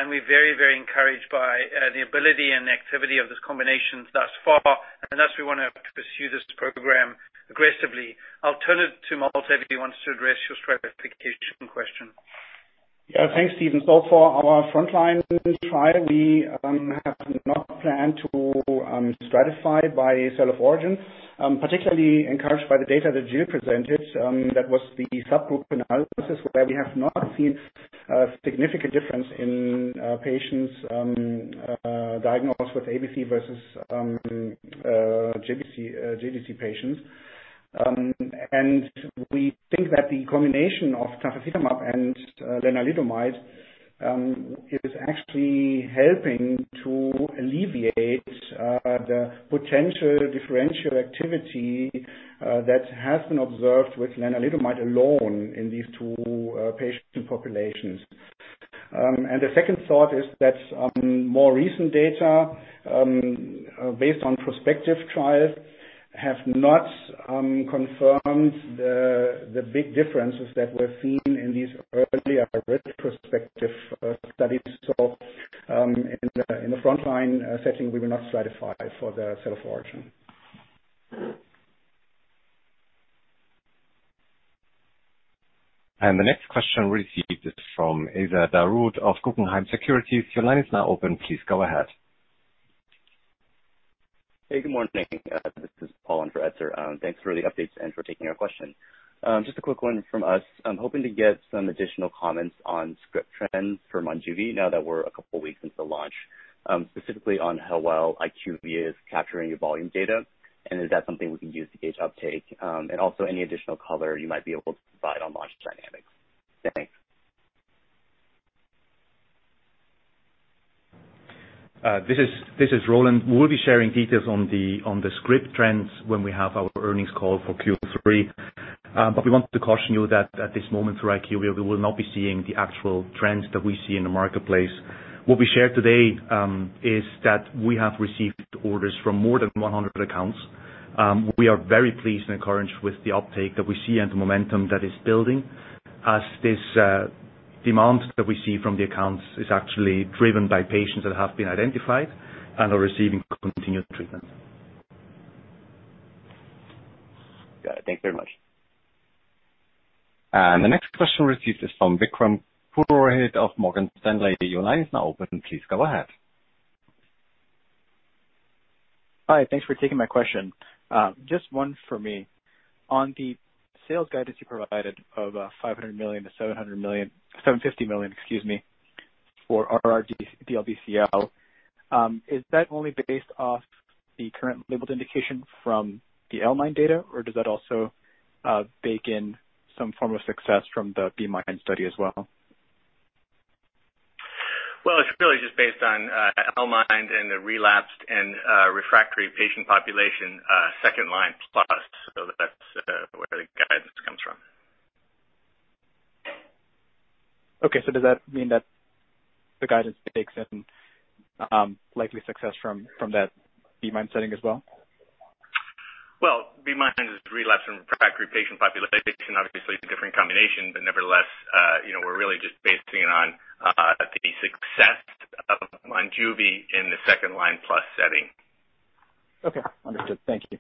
We're very, very encouraged by the ability and activity of this combination thus far, and thus we want to pursue this program aggressively. I'll turn it to Malte if he wants to address your stratification question. Yeah. Thanks, Steven. So for our front line trial, we have not planned to stratify by cell of origin. Particularly encouraged by the data that Gil presented, that was the subgroup analysis where we have not seen a significant difference in patients diagnosed with ABC versus GCB patients. We think that the combination of tafasitamab and lenalidomide is actually helping to alleviate the potential differential activity that has been observed with lenalidomide alone in these two patient populations. The second thought is that more recent data based on prospective trials have not confirmed the big differences that were seen in these earlier retrospective studies. In the front line setting, we will not stratify for the cell of origin. The next question received is from Etzer Darout of Guggenheim Securities. Your line is now open. Please go ahead. Hey, good morning. This is Paul Andreadis. Thanks for the updates and for taking our question. Just a quick one from us. I'm hoping to get some additional comments on script trends for Monjuvi now that we're a couple of weeks into the launch, specifically on how well IQVIA is capturing your volume data, and is that something we can use to gauge uptake? And also any additional color you might be able to provide on launch dynamics. Thanks. This is Roland. We'll be sharing details on the script trends when we have our earnings call for Q3, but we want to caution you that at this moment for IQVIA, we will not be seeing the actual trends that we see in the marketplace. What we shared today is that we have received orders from more than 100 accounts. We are very pleased and encouraged with the uptake that we see and the momentum that is building as this demand that we see from the accounts is actually driven by patients that have been identified and are receiving continued treatment. Yeah. Thanks very much. The next question received is from Vikram Purohit of Morgan Stanley. Your line is now open. Please go ahead. Hi. Thanks for taking my question. Just one for me. On the sales guidance you provided of $500 million-$750 million, excuse me, for R/R DLBCL, is that only based off the current labeled indication from the L-MIND data, or does that also bake in some form of success from the B-MIND study as well? It's really just based on L-MIND and the relapsed and refractory patient population, second line plus. That's where the guidance comes from. Okay. So does that mean that the guidance takes in likely success from that B-MIND setting as well? B-MIND is relapsed and refractory patient population, obviously a different combination, but nevertheless, we're really just basing it on the success of Monjuvi in the second line plus setting. Okay. Understood. Thank you.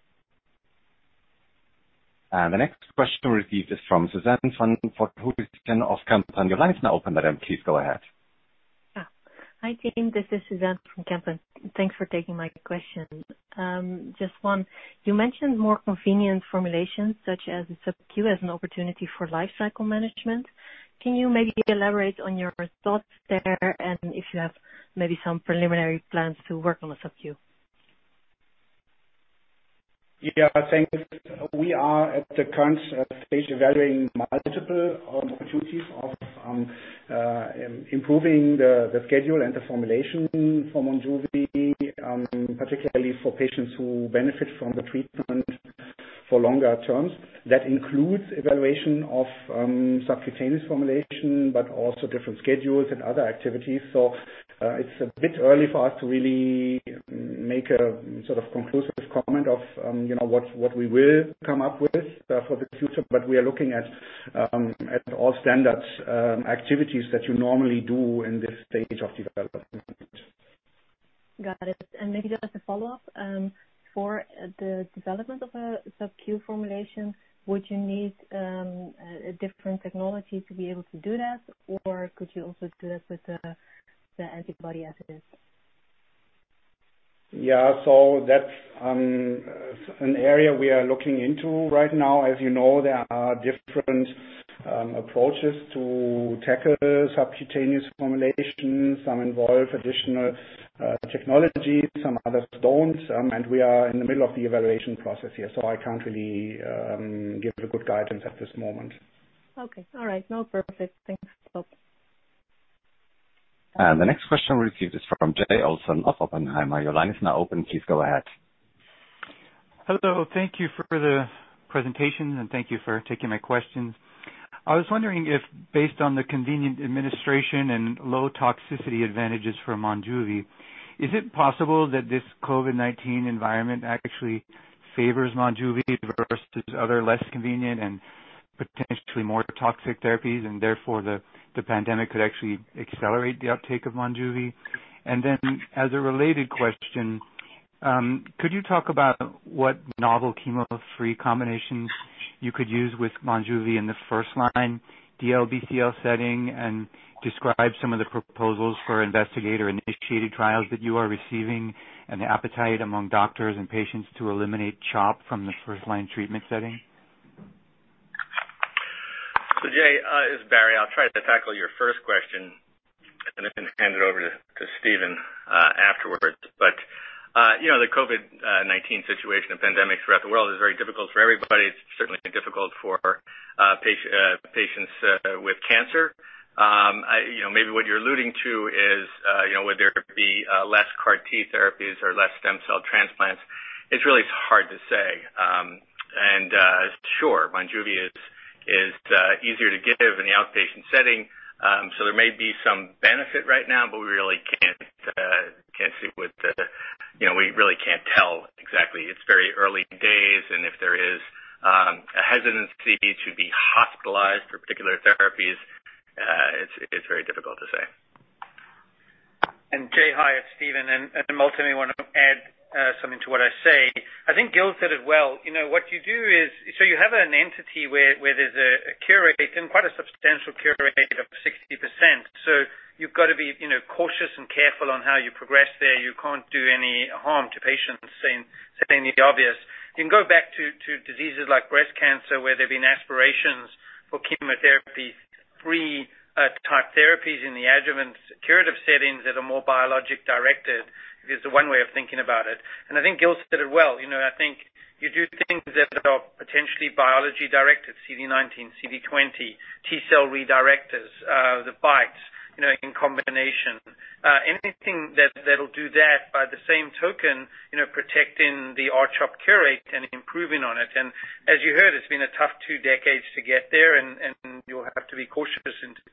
The next question received is from Suzanne van Voorthuizen of Kempen & Co. Your line is now open, madam. Please go ahead. Hi, team. This is Suzanne from Kempen. Thanks for taking my question. Just one. You mentioned more convenient formulations such as a subQ as an opportunity for lifecycle management. Can you maybe elaborate on your thoughts there and if you have maybe some preliminary plans to work on a subQ? Yeah. Thanks. We are at the current stage evaluating multiple opportunities of improving the schedule and the formulation for Monjuvi, particularly for patients who benefit from the treatment for longer terms. That includes evaluation of subcutaneous formulation, but also different schedules and other activities. So it's a bit early for us to really make a sort of conclusive comment of what we will come up with for the future, but we are looking at all standard activities that you normally do in this stage of development. Got it. And maybe just a follow-up. For the development of a subQ formulation, would you need a different technology to be able to do that, or could you also do that with the antibody assays? Yeah, so that's an area we are looking into right now. As you know, there are different approaches to tackle subcutaneous formulation. Some involve additional technology, some others don't, and we are in the middle of the evaluation process here, so I can't really give a good guidance at this moment. Okay. All right. No, perfect. Thanks. Okay. The next question received is from Jay Olson of Oppenheimer. Your line is now open. Please go ahead. Hello. Thank you for the presentation, and thank you for taking my questions. I was wondering if, based on the convenient administration and low toxicity advantages for Monjuvi, is it possible that this COVID-19 environment actually favors Monjuvi versus other less convenient and potentially more toxic therapies, and therefore the pandemic could actually accelerate the uptake of Monjuvi? And then, as a related question, could you talk about what novel chemo-free combinations you could use with Monjuvi in the first-line DLBCL setting and describe some of the proposals for investigator-initiated trials that you are receiving and the appetite among doctors and patients to eliminate CHOP from the first-line treatment setting? Jay, this is Barry. I'll try to tackle your first question and then hand it over to Steven afterwards. But the COVID-19 situation, the pandemic throughout the world is very difficult for everybody. It's certainly difficult for patients with cancer. Maybe what you're alluding to is, would there be less CAR T therapies or less stem cell transplants? It's really hard to say. And sure, Monjuvi is easier to give in the outpatient setting, so there may be some benefit right now, but we really can't see what the—we really can't tell exactly. It's very early days, and if there is a hesitancy to be hospitalized for particular therapies, it's very difficult to say. Jay, hi. It's Steven. And Malte, I want to add something to what I say. I think Gil said it well. What you do is, so you have an entity where there's a cure rate, and quite a substantial cure rate of 60%. So you've got to be cautious and careful on how you progress there. You can't do any harm to patients in saying the obvious. You can go back to diseases like breast cancer where there have been aspirations for chemotherapy-free type therapies in the adjuvant curative settings that are more biologic-directed. It's the one way of thinking about it. And I think Gil said it well. I think you do things that are potentially biology-directed: CD19, CD20, T-cell redirectors, the bispecifics in combination. Anything that'll do that by the same token, protecting the R-CHOP cure rate and improving on it. As you heard, it's been a tough two decades to get there, and you'll have to be cautious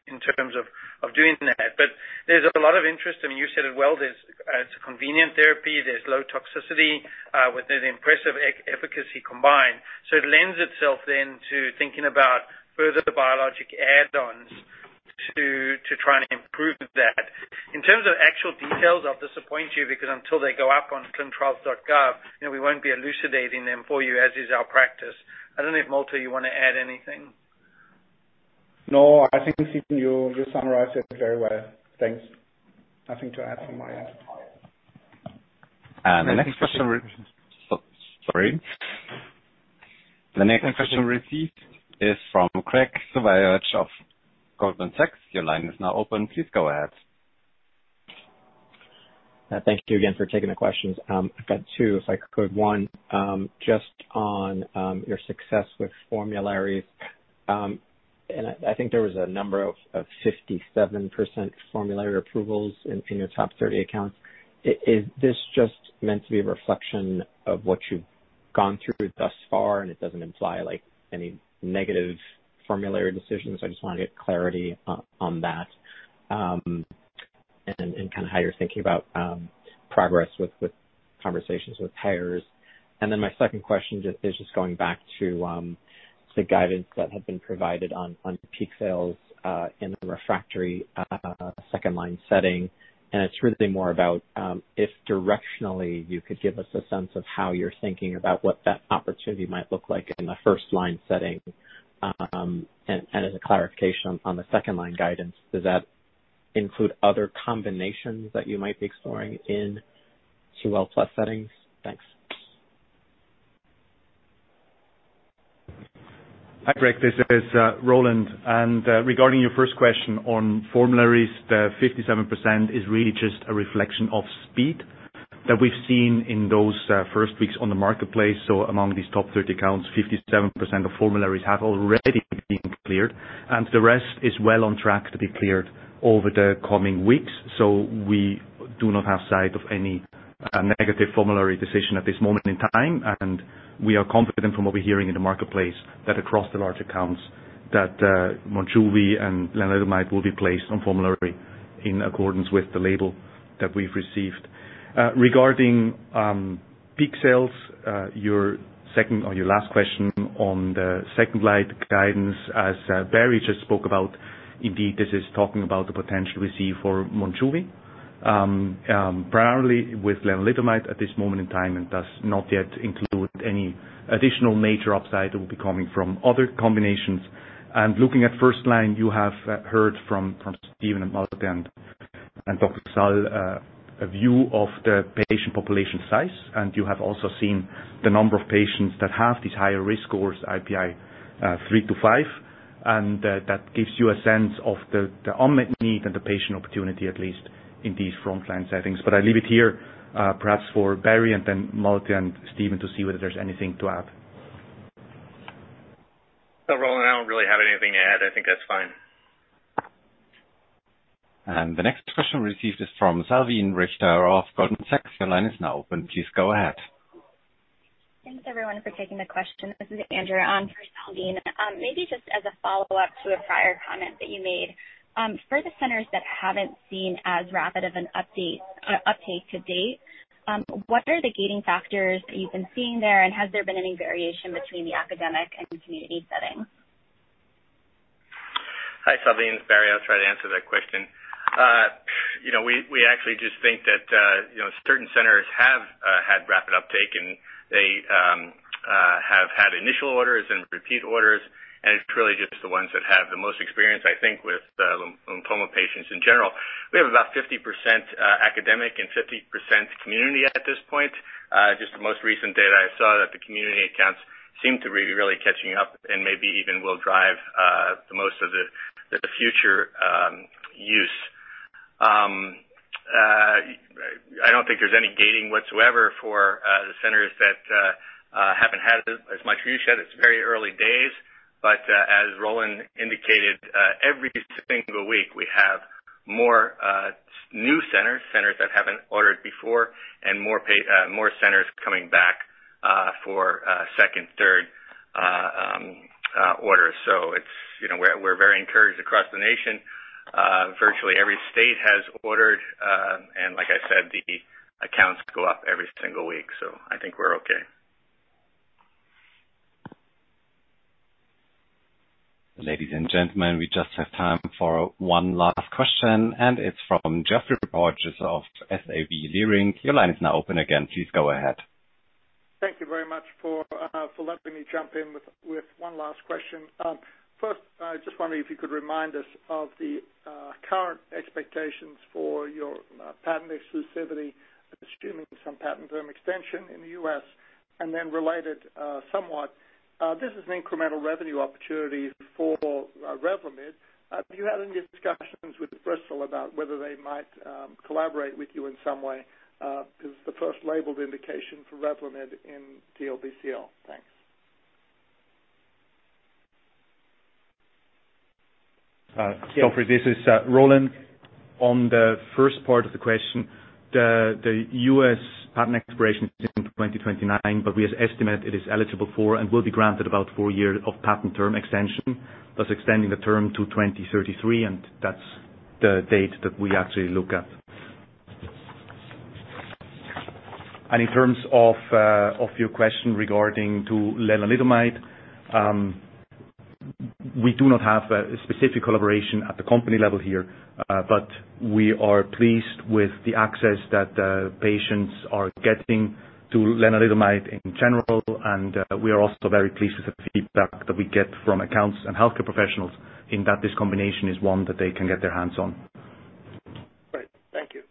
in terms of doing that. But there's a lot of interest. I mean, you said it well. It's a convenient therapy. There's low toxicity with an impressive efficacy combined. So it lends itself then to thinking about further biologic add-ons to try and improve that. In terms of actual details, I'll disappoint you because until they go up on clinicaltrials.gov, we won't be elucidating them for you, as is our practice. I don't know if, Malte, you want to add anything. No. I think you summarized it very well. Thanks. Nothing to add from my end. And the next question, sorry. The next question received is from Craig Suvannavejh of Goldman Sachs. Your line is now open. Please go ahead. Thank you again for taking the questions. I've got two, if I could. One, just on your success with formularies. And I think there was a number of 57% formulary approvals in your top 30 accounts. Is this just meant to be a reflection of what you've gone through thus far, and it doesn't imply any negative formulary decisions? I just want to get clarity on that and kind of how you're thinking about progress with conversations with payers. And then my second question is just going back to the guidance that had been provided on peak sales in the refractory second line setting. And it's really more about if, directionally, you could give us a sense of how you're thinking about what that opportunity might look like in the first line setting. As a clarification on the second-line guidance, does that include other combinations that you might be exploring in 2L-plus settings? Thanks. Hi, Craig. This is Roland. Regarding your first question on formularies, the 57% is really just a reflection of speed that we've seen in those first weeks on the marketplace. So among these top 30 accounts, 57% of formularies have already been cleared, and the rest is well on track to be cleared over the coming weeks. So we do not have sight of any negative formulary decision at this moment in time, and we are confident from what we're hearing in the marketplace that across the large accounts that Monjuvi and lenalidomide will be placed on formulary in accordance with the label that we've received. Regarding peak sales, your second or your last question on the second-line guidance, as Barry just spoke about, indeed, this is talking about the potential we see for Monjuvi, primarily with lenalidomide at this moment in time, and does not yet include any additional major upside that will be coming from other combinations and looking at first-line, you have heard from Steven and Malte and Dr. Sal a view of the patient population size, and you have also seen the number of patients that have these higher risk scores, IPI 3 to 5. And that gives you a sense of the unmet need and the patient opportunity, at least in these front-line settings, but I leave it here, perhaps for Barry and then Malte and Steven to see whether there's anything to add. So, Roland, I don't really have anything to add. I think that's fine. The next question received is from Salveen Richter of Goldman Sachs. Your line is now open. Please go ahead. Thanks, everyone, for taking the question. This is Andrew on for Salveen. Maybe just as a follow-up to a prior comment that you made, for the centers that haven't seen as rapid of an update to date, what are the gating factors that you've been seeing there, and has there been any variation between the academic and community setting? Hi, Salveen. Barry, I'll try to answer that question. We actually just think that certain centers have had rapid uptake, and they have had initial orders and repeat orders, and it's really just the ones that have the most experience, I think, with lymphoma patients in general. We have about 50% academic and 50% community at this point. Just the most recent data I saw that the community accounts seem to be really catching up and maybe even will drive the most of the future use. I don't think there's any gating whatsoever for the centers that haven't had as much use yet. It's very early days. But as Roland indicated, every single week we have more new centers, centers that haven't ordered before, and more centers coming back for second, third orders. So we're very encouraged across the nation. Virtually every state has ordered, and like I said, the accounts go up every single week. So I think we're okay. Ladies and gentlemen, we just have time for one last question, and it's from Geoffrey Porges of SVB Leerink. Your line is now open again. Please go ahead. Thank you very much for letting me jump in with one last question. First, I just wonder if you could remind us of the current expectations for your patent exclusivity, assuming some patent term extension in the U.S., and then related somewhat. This is an incremental revenue opportunity for Revlimid. Have you had any discussions with Bristol about whether they might collaborate with you in some way? This is the first labeled indication for Revlimid in DLBCL. Thanks. Geoffrey, this is Roland. On the first part of the question, the U.S. patent expiration is in 2029, but we estimate it is eligible for and will be granted about four years of patent term extension, thus extending the term to 2033, and that's the date that we actually look at, and in terms of your question regarding to lenalidomide, we do not have a specific collaboration at the company level here, but we are pleased with the access that patients are getting to lenalidomide in general, and we are also very pleased with the feedback that we get from accounts and healthcare professionals in that this combination is one that they can get their hands on. Great. Thank you.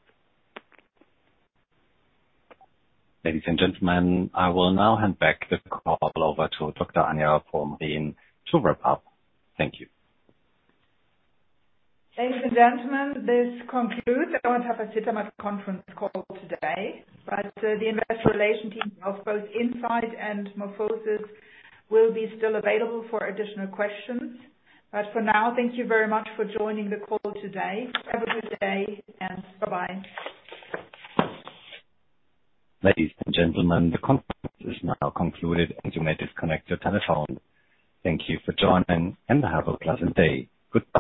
Ladies and gentlemen, I will now hand back the call over to Dr. Anja Pomrehn to wrap up. Thank you. Ladies and gentlemen, this concludes. I won't have a Q&A at the conference call today, but the Investor Relations team of both Incyte and MorphoSys will still be available for additional questions. But for now, thank you very much for joining the call today. Have a good day, and bye-bye. Ladies and gentlemen, the conference is now concluded, and you may disconnect your telephone. Thank you for joining, and have a pleasant day. Good.